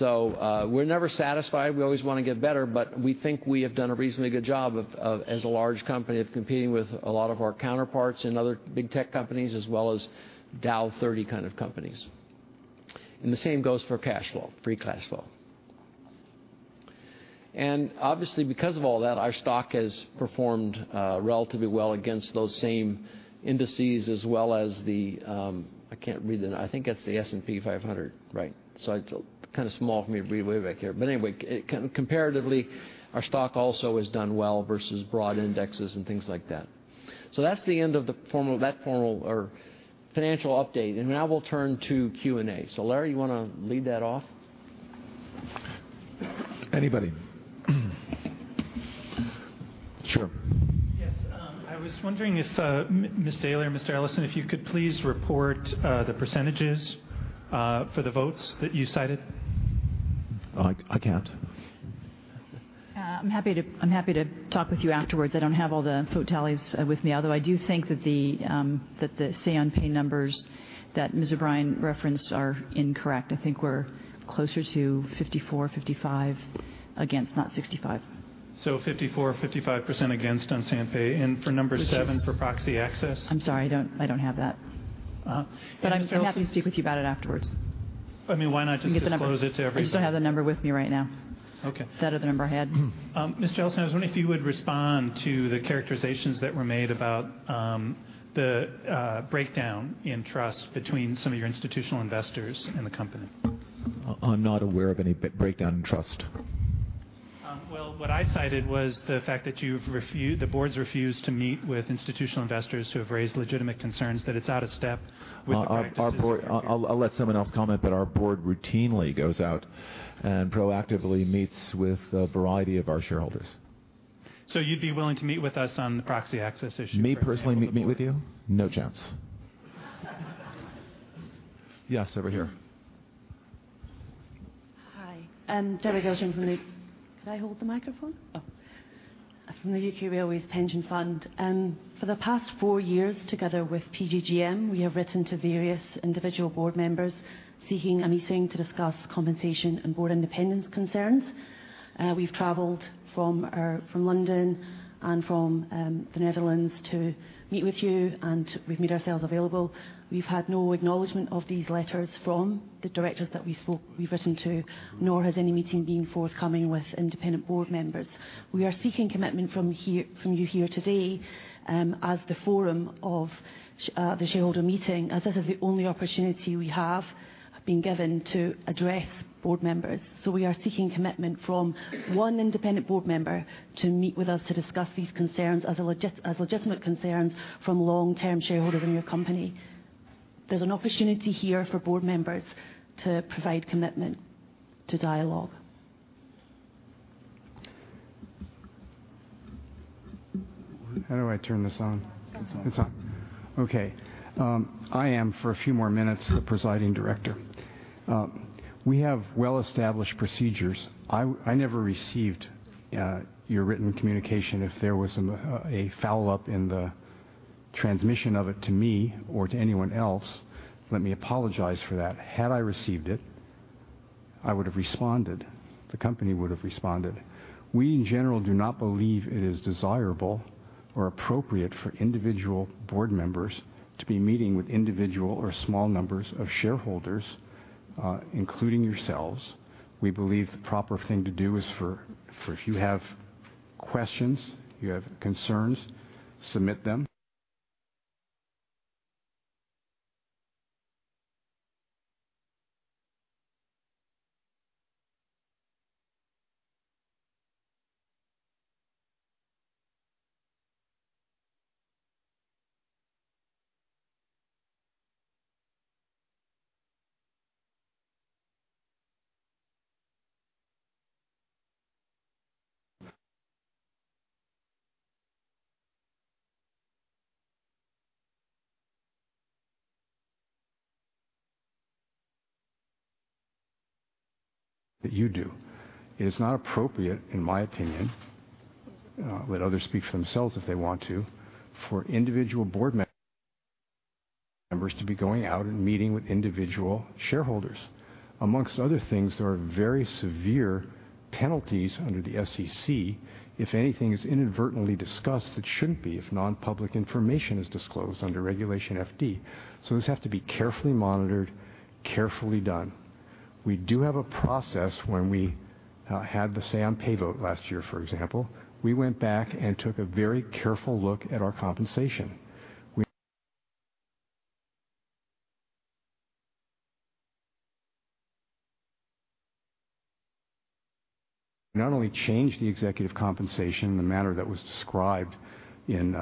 A: We're never satisfied. We always want to get better, we think we have done a reasonably good job as a large company of competing with a lot of our counterparts and other big tech companies, as well as Dow 30 kind of companies. The same goes for free cash flow. Obviously, because of all that, our stock has performed relatively well against those same indices as well as the, I can't read the-- I think that's the S&P 500. Right. It's small for me to read way back here. Anyway, comparatively, our stock also has done well versus broad indexes and things like that. That's the end of that financial update, now we'll turn to Q&A. Larry, you want to lead that off?
D: Anybody. Sure.
E: Yes. I was wondering if, Ms. Daley or Mr. Ellison, if you could please report the % for the votes that you cited.
D: I can't.
B: I'm happy to talk with you afterwards. I don't have all the vote tallies with me, although I do think that the say on pay numbers that Ms. O'Brien referenced are incorrect. I think we're closer to 54, 55 against, not 65.
E: 54, 55% against on say on pay, and for number 7-
B: Which is-
E: For proxy access.
B: I'm sorry, I don't have that. I'm happy to speak with you about it afterwards.
E: Why not just disclose it to everybody?
B: I don't have the number with me right now.
E: Okay.
B: That other number I had.
E: Mr. Ellison, I was wondering if you would respond to the characterizations that were made about the breakdown in trust between some of your institutional investors and the company.
D: I'm not aware of any breakdown in trust.
E: What I cited was the fact that the boards refused to meet with institutional investors who have raised legitimate concerns that it's out of step with the practices.
D: I'll let someone else comment, our board routinely goes out and proactively meets with a variety of our shareholders.
E: You'd be willing to meet with us on the proxy access issue?
D: Me personally meet with you? No chance. Yes, over here.
I: Hi. Deborah Gilshan from the-- Could I hold the microphone? Oh, from the UK Railways Pension Fund. For the past four years, together with PGGM, we have written to various individual board members seeking a meeting to discuss compensation and board independence concerns. We've traveled from London and from the Netherlands to meet with you, and we've made ourselves available. We've had no acknowledgment of these letters from the directors that we've written to, nor has any meeting been forthcoming with independent board members. We are seeking commitment from you here today as the forum of the shareholder meeting, as this is the only opportunity we have been given to address board members. We are seeking commitment from one independent board member to meet with us to discuss these concerns as legitimate concerns from long-term shareholders in your company. There's an opportunity here for board members to provide commitment to dialogue.
D: How do I turn this on?
J: It's on.
D: It's on. Okay. I am, for a few more minutes, the presiding director. We have well-established procedures. I never received your written communication. If there was a foul-up in the transmission of it to me or to anyone else, let me apologize for that. Had I received it, I would have responded. The company would have responded. We, in general, do not believe it is desirable or appropriate for individual board members to be meeting with individual or small numbers of shareholders, including yourselves. We believe the proper thing to do is for if you have questions, you have concerns, submit them
K: That you do. It is not appropriate, in my opinion, let others speak for themselves if they want to, for individual board members to be going out and meeting with individual shareholders. Amongst other things, there are very severe penalties under the SEC if anything is inadvertently discussed that shouldn't be, if non-public information is disclosed under Regulation FD. These have to be carefully monitored, carefully done. We do have a process when we had the say on pay vote last year, for example. We went back and took a very careful look at our compensation. We not only changed the executive compensation in the manner that was described in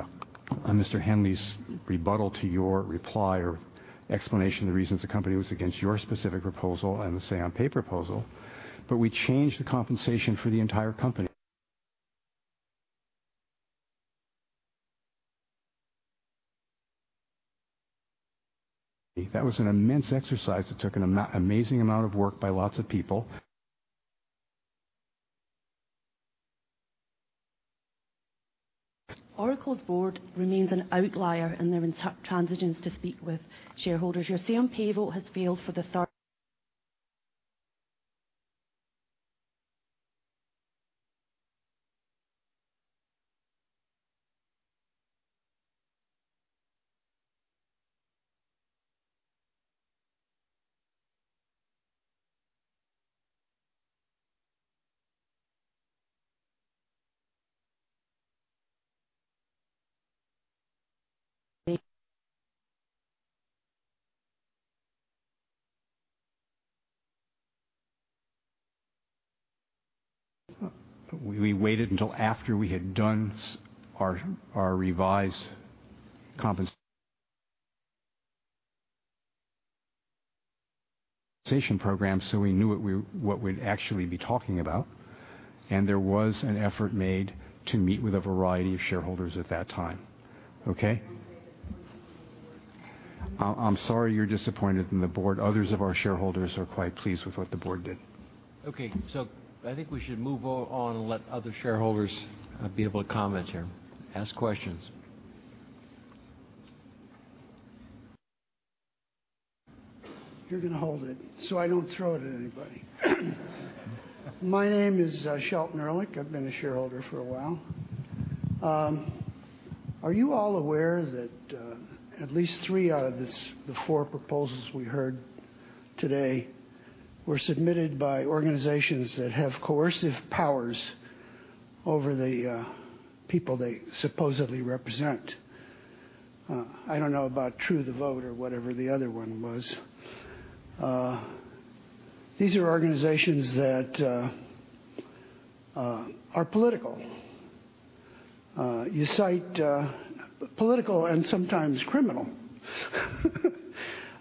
K: Mr. Henley's rebuttal to your reply or explanation of the reasons the company was against your specific proposal and the say on pay proposal, but we changed the compensation for the entire company. That was an immense exercise that took an amazing amount of work by lots of people.
I: Oracle's board remains an outlier in their intransigence to speak with shareholders. Your say on pay vote has failed for the third-
K: We waited until after we had done our revised compensation program, so we knew what we'd actually be talking about, and there was an effort made to meet with a variety of shareholders at that time. Okay?
I: I'm very disappointed in the board.
K: I'm sorry you're disappointed in the board. Others of our shareholders are quite pleased with what the board did.
A: Okay, I think we should move on and let other shareholders be able to comment here, ask questions.
L: You're going to hold it so I don't throw it at anybody. My name is Shelton Ehrlich. I've been a shareholder for a while. Are you all aware that at least three out of the four proposals we heard today were submitted by organizations that have coercive powers over the people they supposedly represent? I don't know about True the Vote or whatever the other one was. These are organizations that are political. You cite political and sometimes criminal.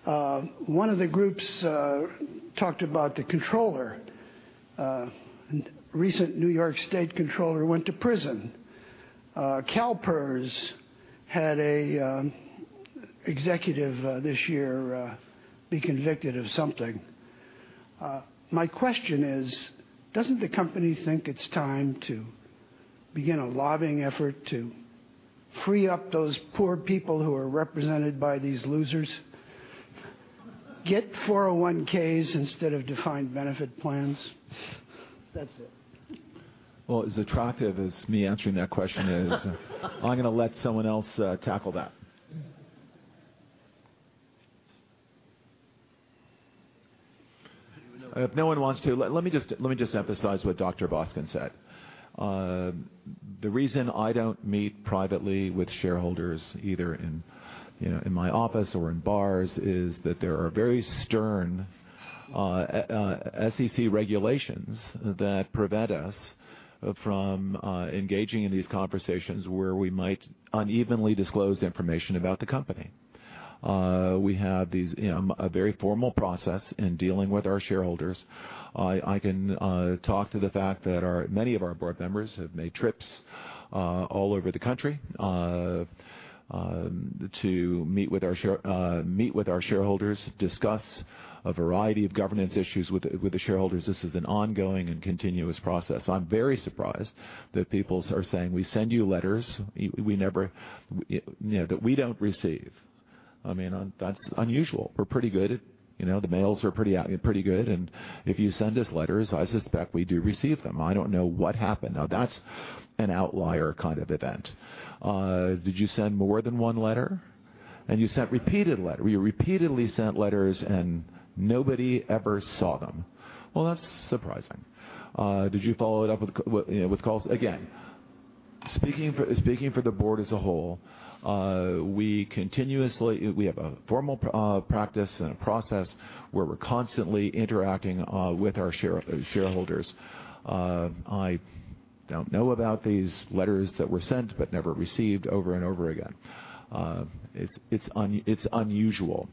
L: One of the groups talked about the controller. Recent New York State controller went to prison. CalPERS had an executive this year be convicted of something. My question is, doesn't the company think it's time to begin a lobbying effort to free up those poor people who are represented by these losers? Get 401Ks instead of defined benefit plans. That's it.
D: As attractive as me answering that question is, I'm going to let someone else tackle that. If no one wants to, let me just emphasize what Dr. Boskin said. The reason I don't meet privately with shareholders, either in my office or in bars, is that there are very stern SEC regulations that prevent us from engaging in these conversations where we might unevenly disclose information about the company. We have a very formal process in dealing with our shareholders. I can talk to the fact that many of our board members have made trips all over the country to meet with our shareholders, discuss a variety of governance issues with the shareholders. This is an ongoing and continuous process. I'm very surprised that people are saying, "We send you letters that we don't receive." That's unusual. We're pretty good.
K: The mails are pretty good. If you send us letters, I suspect we do receive them. I don't know what happened. That's an outlier kind of event. Did you send more than one letter? You repeatedly sent letters. Nobody ever saw them. That's surprising. Did you follow it up with calls again? Speaking for the board as a whole, we have a formal practice and a process where we're constantly interacting with our shareholders. I don't know about these letters that were sent but never received over and over again. It's unusual.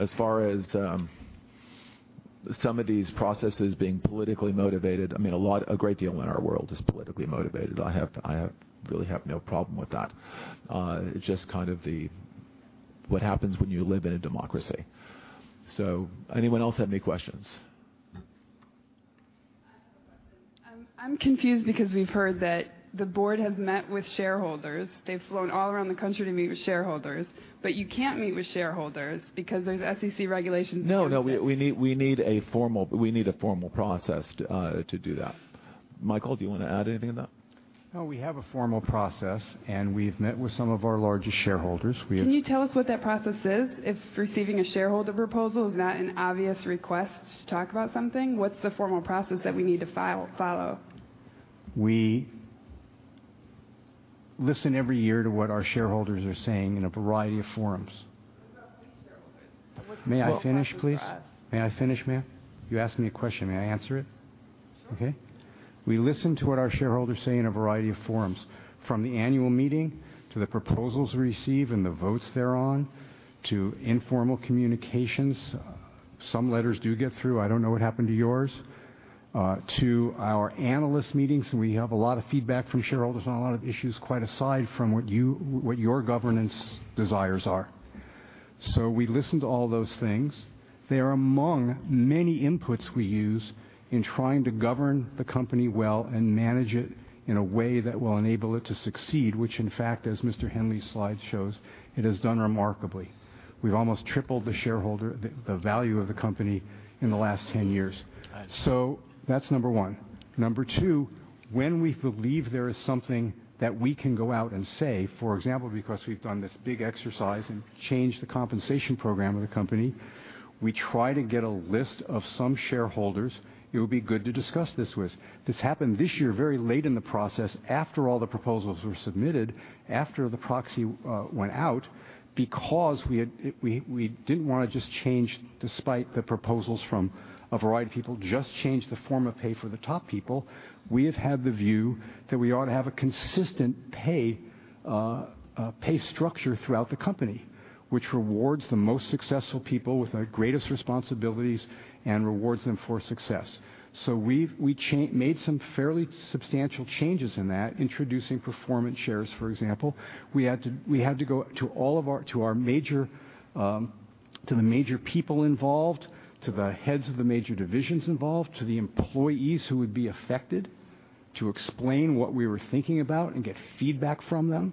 K: As far as some of these processes being politically motivated, a great deal in our world is politically motivated. I really have no problem with that. It's just what happens when you live in a democracy. Anyone else have any questions?
F: I have a question. I'm confused because we've heard that the board has met with shareholders. They've flown all around the country to meet with shareholders. You can't meet with shareholders because there's SEC regulations against it.
D: No, we need a formal process to do that. Michael, do you want to add anything to that?
K: No, we have a formal process, and we've met with some of our largest shareholders.
F: Can you tell us what that process is? If receiving a shareholder proposal is not an obvious request to talk about something, what's the formal process that we need to follow?
K: We listen every year to what our shareholders are saying in a variety of forums.
F: What about we shareholders? What process is that?
K: May I finish, please? May I finish, ma'am? You asked me a question. May I answer it? Sure. We listen to what our shareholders say in a variety of forums, from the annual meeting to the proposals we receive and the votes thereon, to informal communications. Some letters do get through. I don't know what happened to yours. To our analyst meetings, we have a lot of feedback from shareholders on a lot of issues, quite aside from what your governance desires are. We listen to all those things. They are among many inputs we use in trying to govern the company well and manage it in a way that will enable it to succeed, which in fact, as Mr. Henley's slide shows, it has done remarkably. We've almost tripled the value of the company in the last 10 years.
D: Right. That's number one. Number two, when we believe there is something that we can go out and say, for example, because we've done this big exercise and changed the compensation program of the company, we try to get a list of some shareholders it would be good to discuss this with. This happened this year, very late in the process, after all the proposals were submitted, after the proxy went out, because we didn't want to just change despite the proposals from a variety of people, just change the form of pay for the top people. We have had the view that we ought to have a consistent pay structure throughout the company, which rewards the most successful people with the greatest responsibilities and rewards them for success. We made some fairly substantial changes in that, introducing Performance Shares, for example. We had to go to the major people involved, to the heads of the major divisions involved, to the employees who would be affected to explain what we were thinking about and get feedback from them.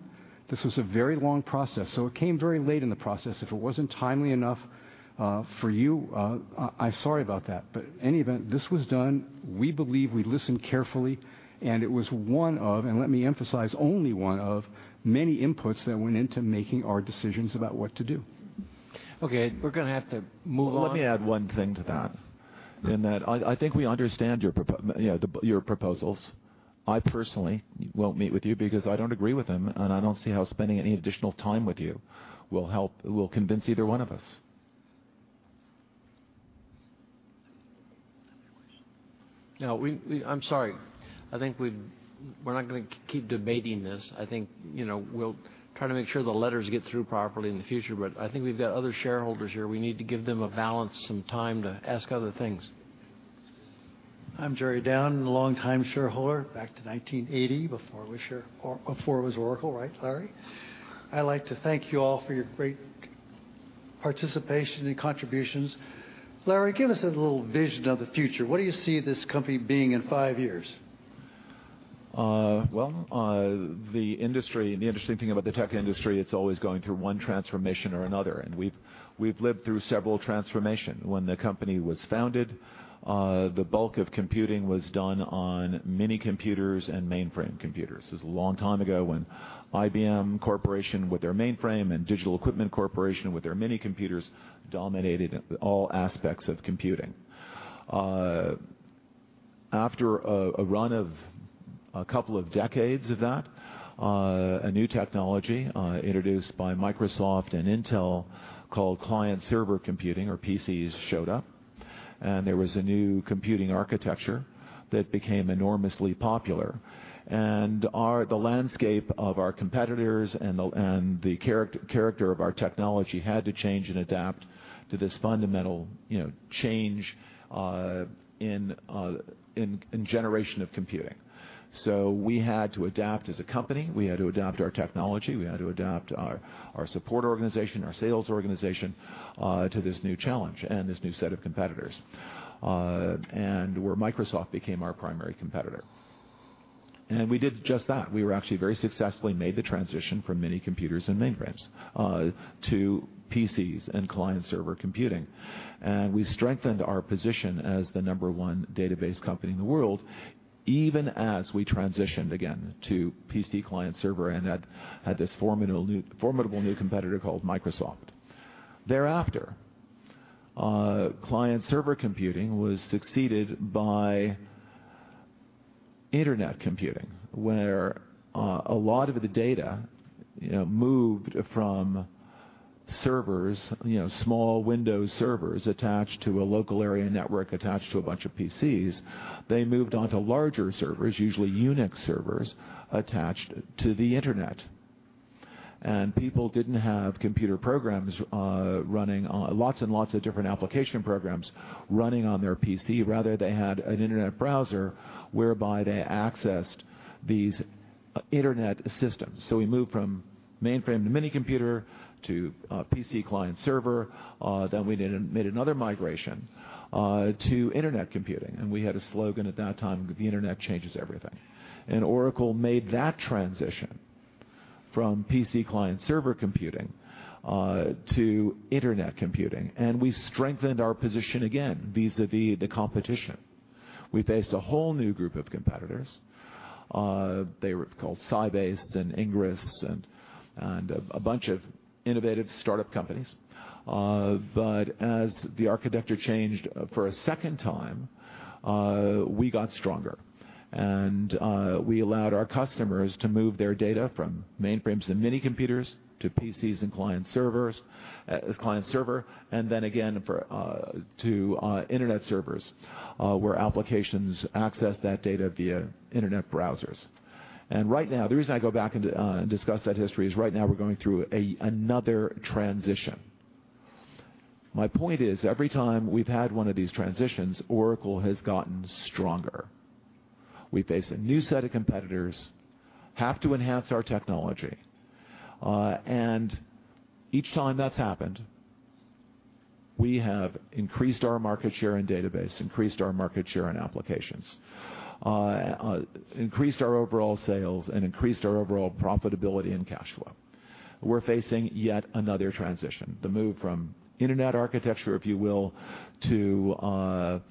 D: This was a very long process. It came very late in the process. If it wasn't timely enough for you, I'm sorry about that. In any event, this was done. We believe we listened carefully, and it was one of, and let me emphasize, only one of many inputs that went into making our decisions about what to do.
A: Okay, we're going to have to move along.
D: Let me add one thing to that, in that I think we understand your proposals. I personally won't meet with you because I don't agree with them, and I don't see how spending any additional time with you will convince either one of us.
A: Any questions? No, I'm sorry. I think we're not going to keep debating this. I think we'll try to make sure the letters get through properly in the future, I think we've got other shareholders here. We need to give them a balance, some time to ask other things.
L: I'm Jerry Down, a longtime shareholder back to 1980, before it was Oracle, right, Larry? I'd like to thank you all for your great participation and contributions. Larry, give us a little vision of the future. What do you see this company being in five years?
D: Well, the interesting thing about the tech industry, it's always going through one transformation or another, and we've lived through several transformation. When the company was founded, the bulk of computing was done on mini computers and mainframe computers. This is a long time ago when IBM Corporation with their mainframe and Digital Equipment Corporation with their mini computers dominated all aspects of computing. After a run of a couple of decades of that, a new technology introduced by Microsoft and Intel called client server computing or PCs showed up, and there was a new computing architecture that became enormously popular. The landscape of our competitors and the character of our technology had to change and adapt to this fundamental change in generation of computing. We had to adapt as a company. We had to adapt our technology. We had to adapt our support organization, our sales organization to this new challenge and this new set of competitors, where Microsoft became our primary competitor. We did just that. We were actually very successful and made the transition from mini computers and mainframes to PCs and client server computing. We strengthened our position as the number one database company in the world, even as we transitioned again to PC client server and had this formidable new competitor called Microsoft. Thereafter Client-server computing was succeeded by internet computing, where a lot of the data moved from servers, small Windows servers attached to a local area network attached to a bunch of PCs. They moved onto larger servers, usually UNIX servers, attached to the internet. People didn't have lots and lots of different application programs running on their PC.
K: Rather, they had an internet browser whereby they accessed these internet systems. We moved from mainframe to minicomputer to PC client server. We made another migration to internet computing, and we had a slogan at that time, "The internet changes everything." Oracle made that transition from PC client server computing to internet computing, and we strengthened our position again vis-à-vis the competition. We faced a whole new group of competitors. They were called Sybase and Ingres and a bunch of innovative startup companies. As the architecture changed for a second time, we got stronger. We allowed our customers to move their data from mainframes and minicomputers to PCs and client server, and then again to internet servers, where applications access that data via internet browsers. The reason I go back and discuss that history is right now we're going through another transition.
D: My point is, every time we've had one of these transitions, Oracle has gotten stronger. We face a new set of competitors, have to enhance our technology. Each time that's happened, we have increased our market share and database, increased our market share and applications, increased our overall sales, and increased our overall profitability and cash flow. We're facing yet another transition, the move from internet architecture, if you will, to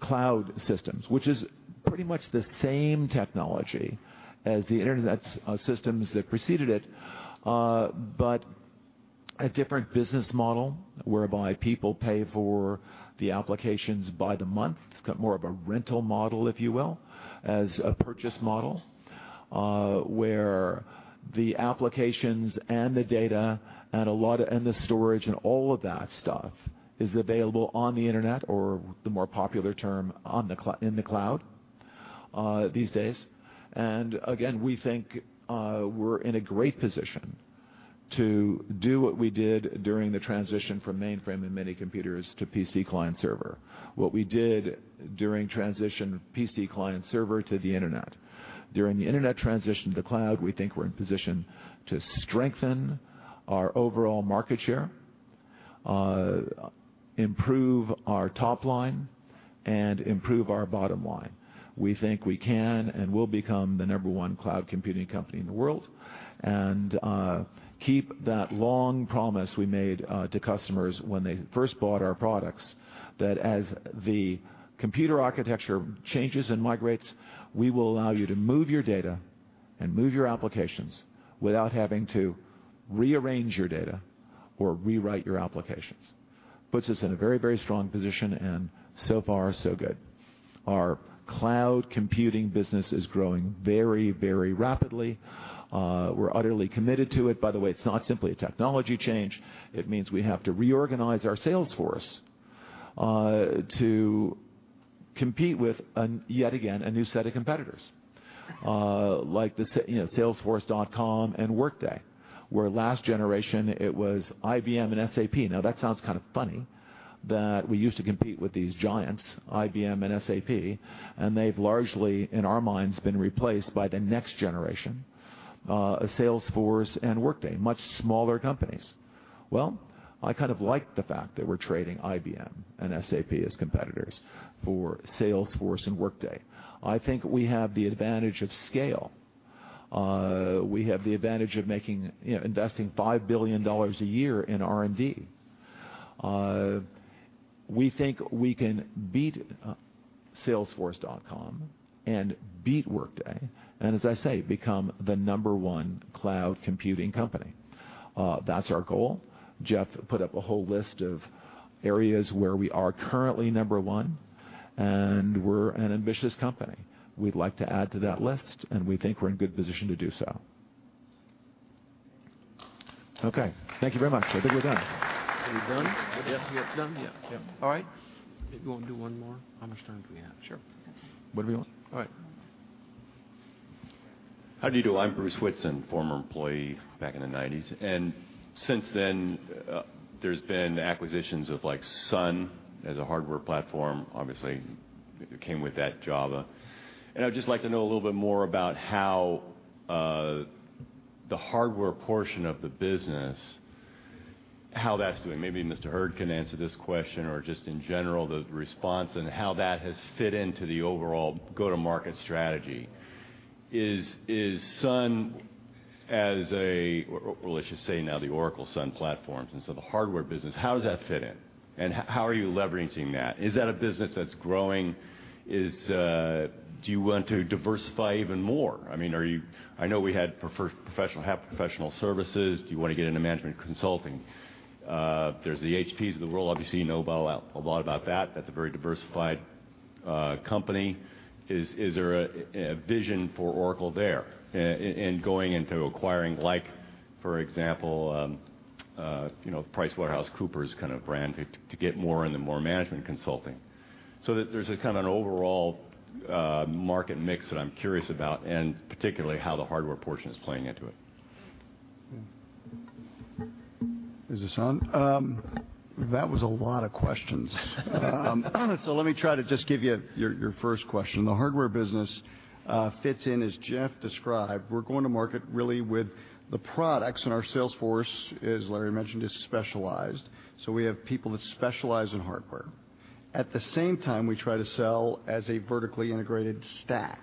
D: cloud systems, which is pretty much the same technology as the internet systems that preceded it, but a different business model, whereby people pay for the applications by the month. It's got more of a rental model, if you will, as a purchase model, where the applications and the data and the storage and all of that stuff is available on the internet, or the more popular term, in the cloud these days. Again, we think we're in a great position to do what we did during the transition from mainframe and minicomputers to PC client server, what we did during transition PC client server to the internet. During the internet transition to the cloud, we think we're in position to strengthen our overall market share, improve our top line, and improve our bottom line. We think we can and will become the number 1 cloud computing company in the world and keep that long promise we made to customers when they first bought our products that as the computer architecture changes and migrates, we will allow you to move your data and move your applications without having to rearrange your data or rewrite your applications. Puts us in a very strong position, and so far, so good. Our cloud computing business is growing very rapidly. We're utterly committed to it. By the way, it's not simply a technology change. It means we have to reorganize our sales force to compete with, yet again, a new set of competitors like salesforce.com and Workday, where last generation it was IBM and SAP. That sounds kind of funny that we used to compete with these giants, IBM and SAP, and they've largely, in our minds, been replaced by the next generation, Salesforce and Workday, much smaller companies. I kind of like the fact that we're trading IBM and SAP as competitors for Salesforce and Workday. I think we have the advantage of scale. We have the advantage of investing $5 billion a year in R&D. We think we can beat salesforce.com and beat Workday, and as I say, become the number 1 cloud computing company. That's our goal. Jeff put up a whole list of areas where we are currently number 1, and we're an ambitious company. We'd like to add to that list, and we think we're in good position to do so. Okay. Thank you very much. I think we're done.
A: Are we done?
D: Yes.
A: Yep. Done? Yeah.
D: Yeah.
A: All right. You want to do one more? How much time do we have?
D: Sure. What do we want?
A: All right.
M: How do you do? I'm Bruce Whitson, former employee back in the '90s. Since then, there's been acquisitions of Sun as a hardware platform, obviously, came with that, Java. I'd just like to know a little bit more about how the hardware portion of the business, how that's doing. Maybe Mr. Hurd can answer this question or just in general, the response and how that has fit into the overall go-to-market strategy. Well, let's just say now the Oracle Sun platforms and so the hardware business, how does that fit in? How are you leveraging that? Is that a business that's growing? Do you want to diversify even more? I know we had professional services. Do you want to get into management consulting? There's the HPs of the world, obviously, you know a lot about that. That's a very diversified company, is there a vision for Oracle there in going into acquiring, for example PricewaterhouseCoopers brand to get more in the more management consulting? There's an overall market mix that I'm curious about, and particularly how the hardware portion is playing into it.
N: Is this on? That was a lot of questions. Let me try to just give you your first question. The hardware business fits in, as Jeff described. We're going to market really with the products, our sales force, as Larry mentioned, is specialized. We have people that specialize in hardware. At the same time, we try to sell as a vertically integrated stack.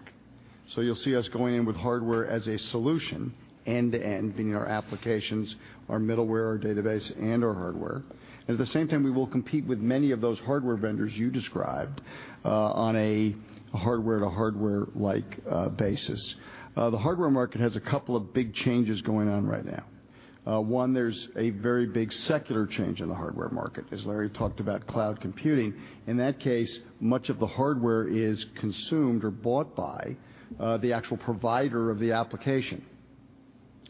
N: You'll see us going in with hardware as a solution end to end, being our applications, our middleware, our database, and our hardware. At the same time, we will compete with many of those hardware vendors you described on a hardware-to-hardware like basis. The hardware market has a couple of big changes going on right now. One, there's a very big secular change in the hardware market. As Larry talked about cloud computing, in that case, much of the hardware is consumed or bought by the actual provider of the application.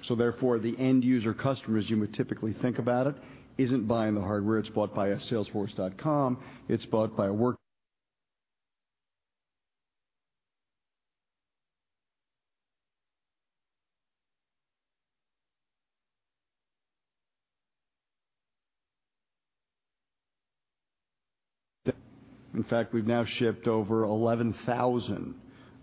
N: Therefore, the end user customers, you would typically think about it, isn't buying the hardware. It's bought by a salesforce.com. In fact, we've now shipped over 11,000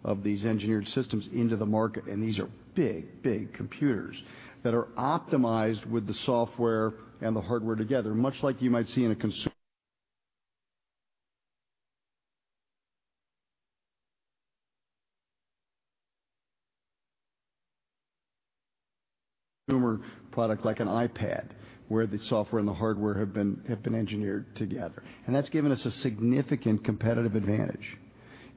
N: of these Engineered Systems into the market, and these are big, big computers that are optimized with the software and the hardware together, much like you might see in a consumer product like an iPad, where the software and the hardware have been engineered together. That's given us a significant competitive advantage.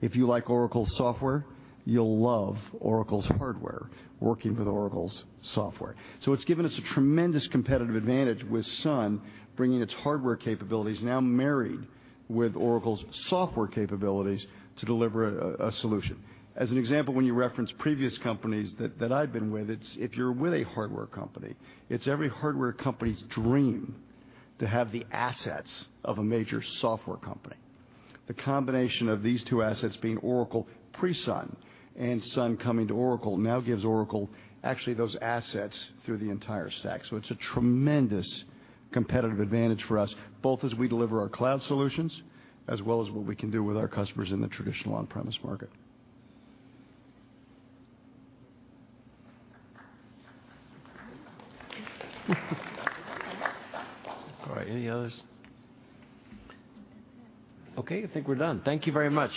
N: If you like Oracle software, you'll love Oracle's hardware working with Oracle's software. It's given us a tremendous competitive advantage with Sun bringing its hardware capabilities, now married with Oracle's software capabilities to deliver a solution. As an example, when you reference previous companies that I've been with, if you're with a hardware company, it's every hardware company's dream to have the assets of a major software company. The combination of these two assets being Oracle pre-Sun and Sun coming to Oracle now gives Oracle actually those assets through the entire stack. It's a tremendous competitive advantage for us, both as we deliver our cloud solutions as well as what we can do with our customers in the traditional on-premise market.
A: All right. Any others? Okay, I think we're done. Thank you very much.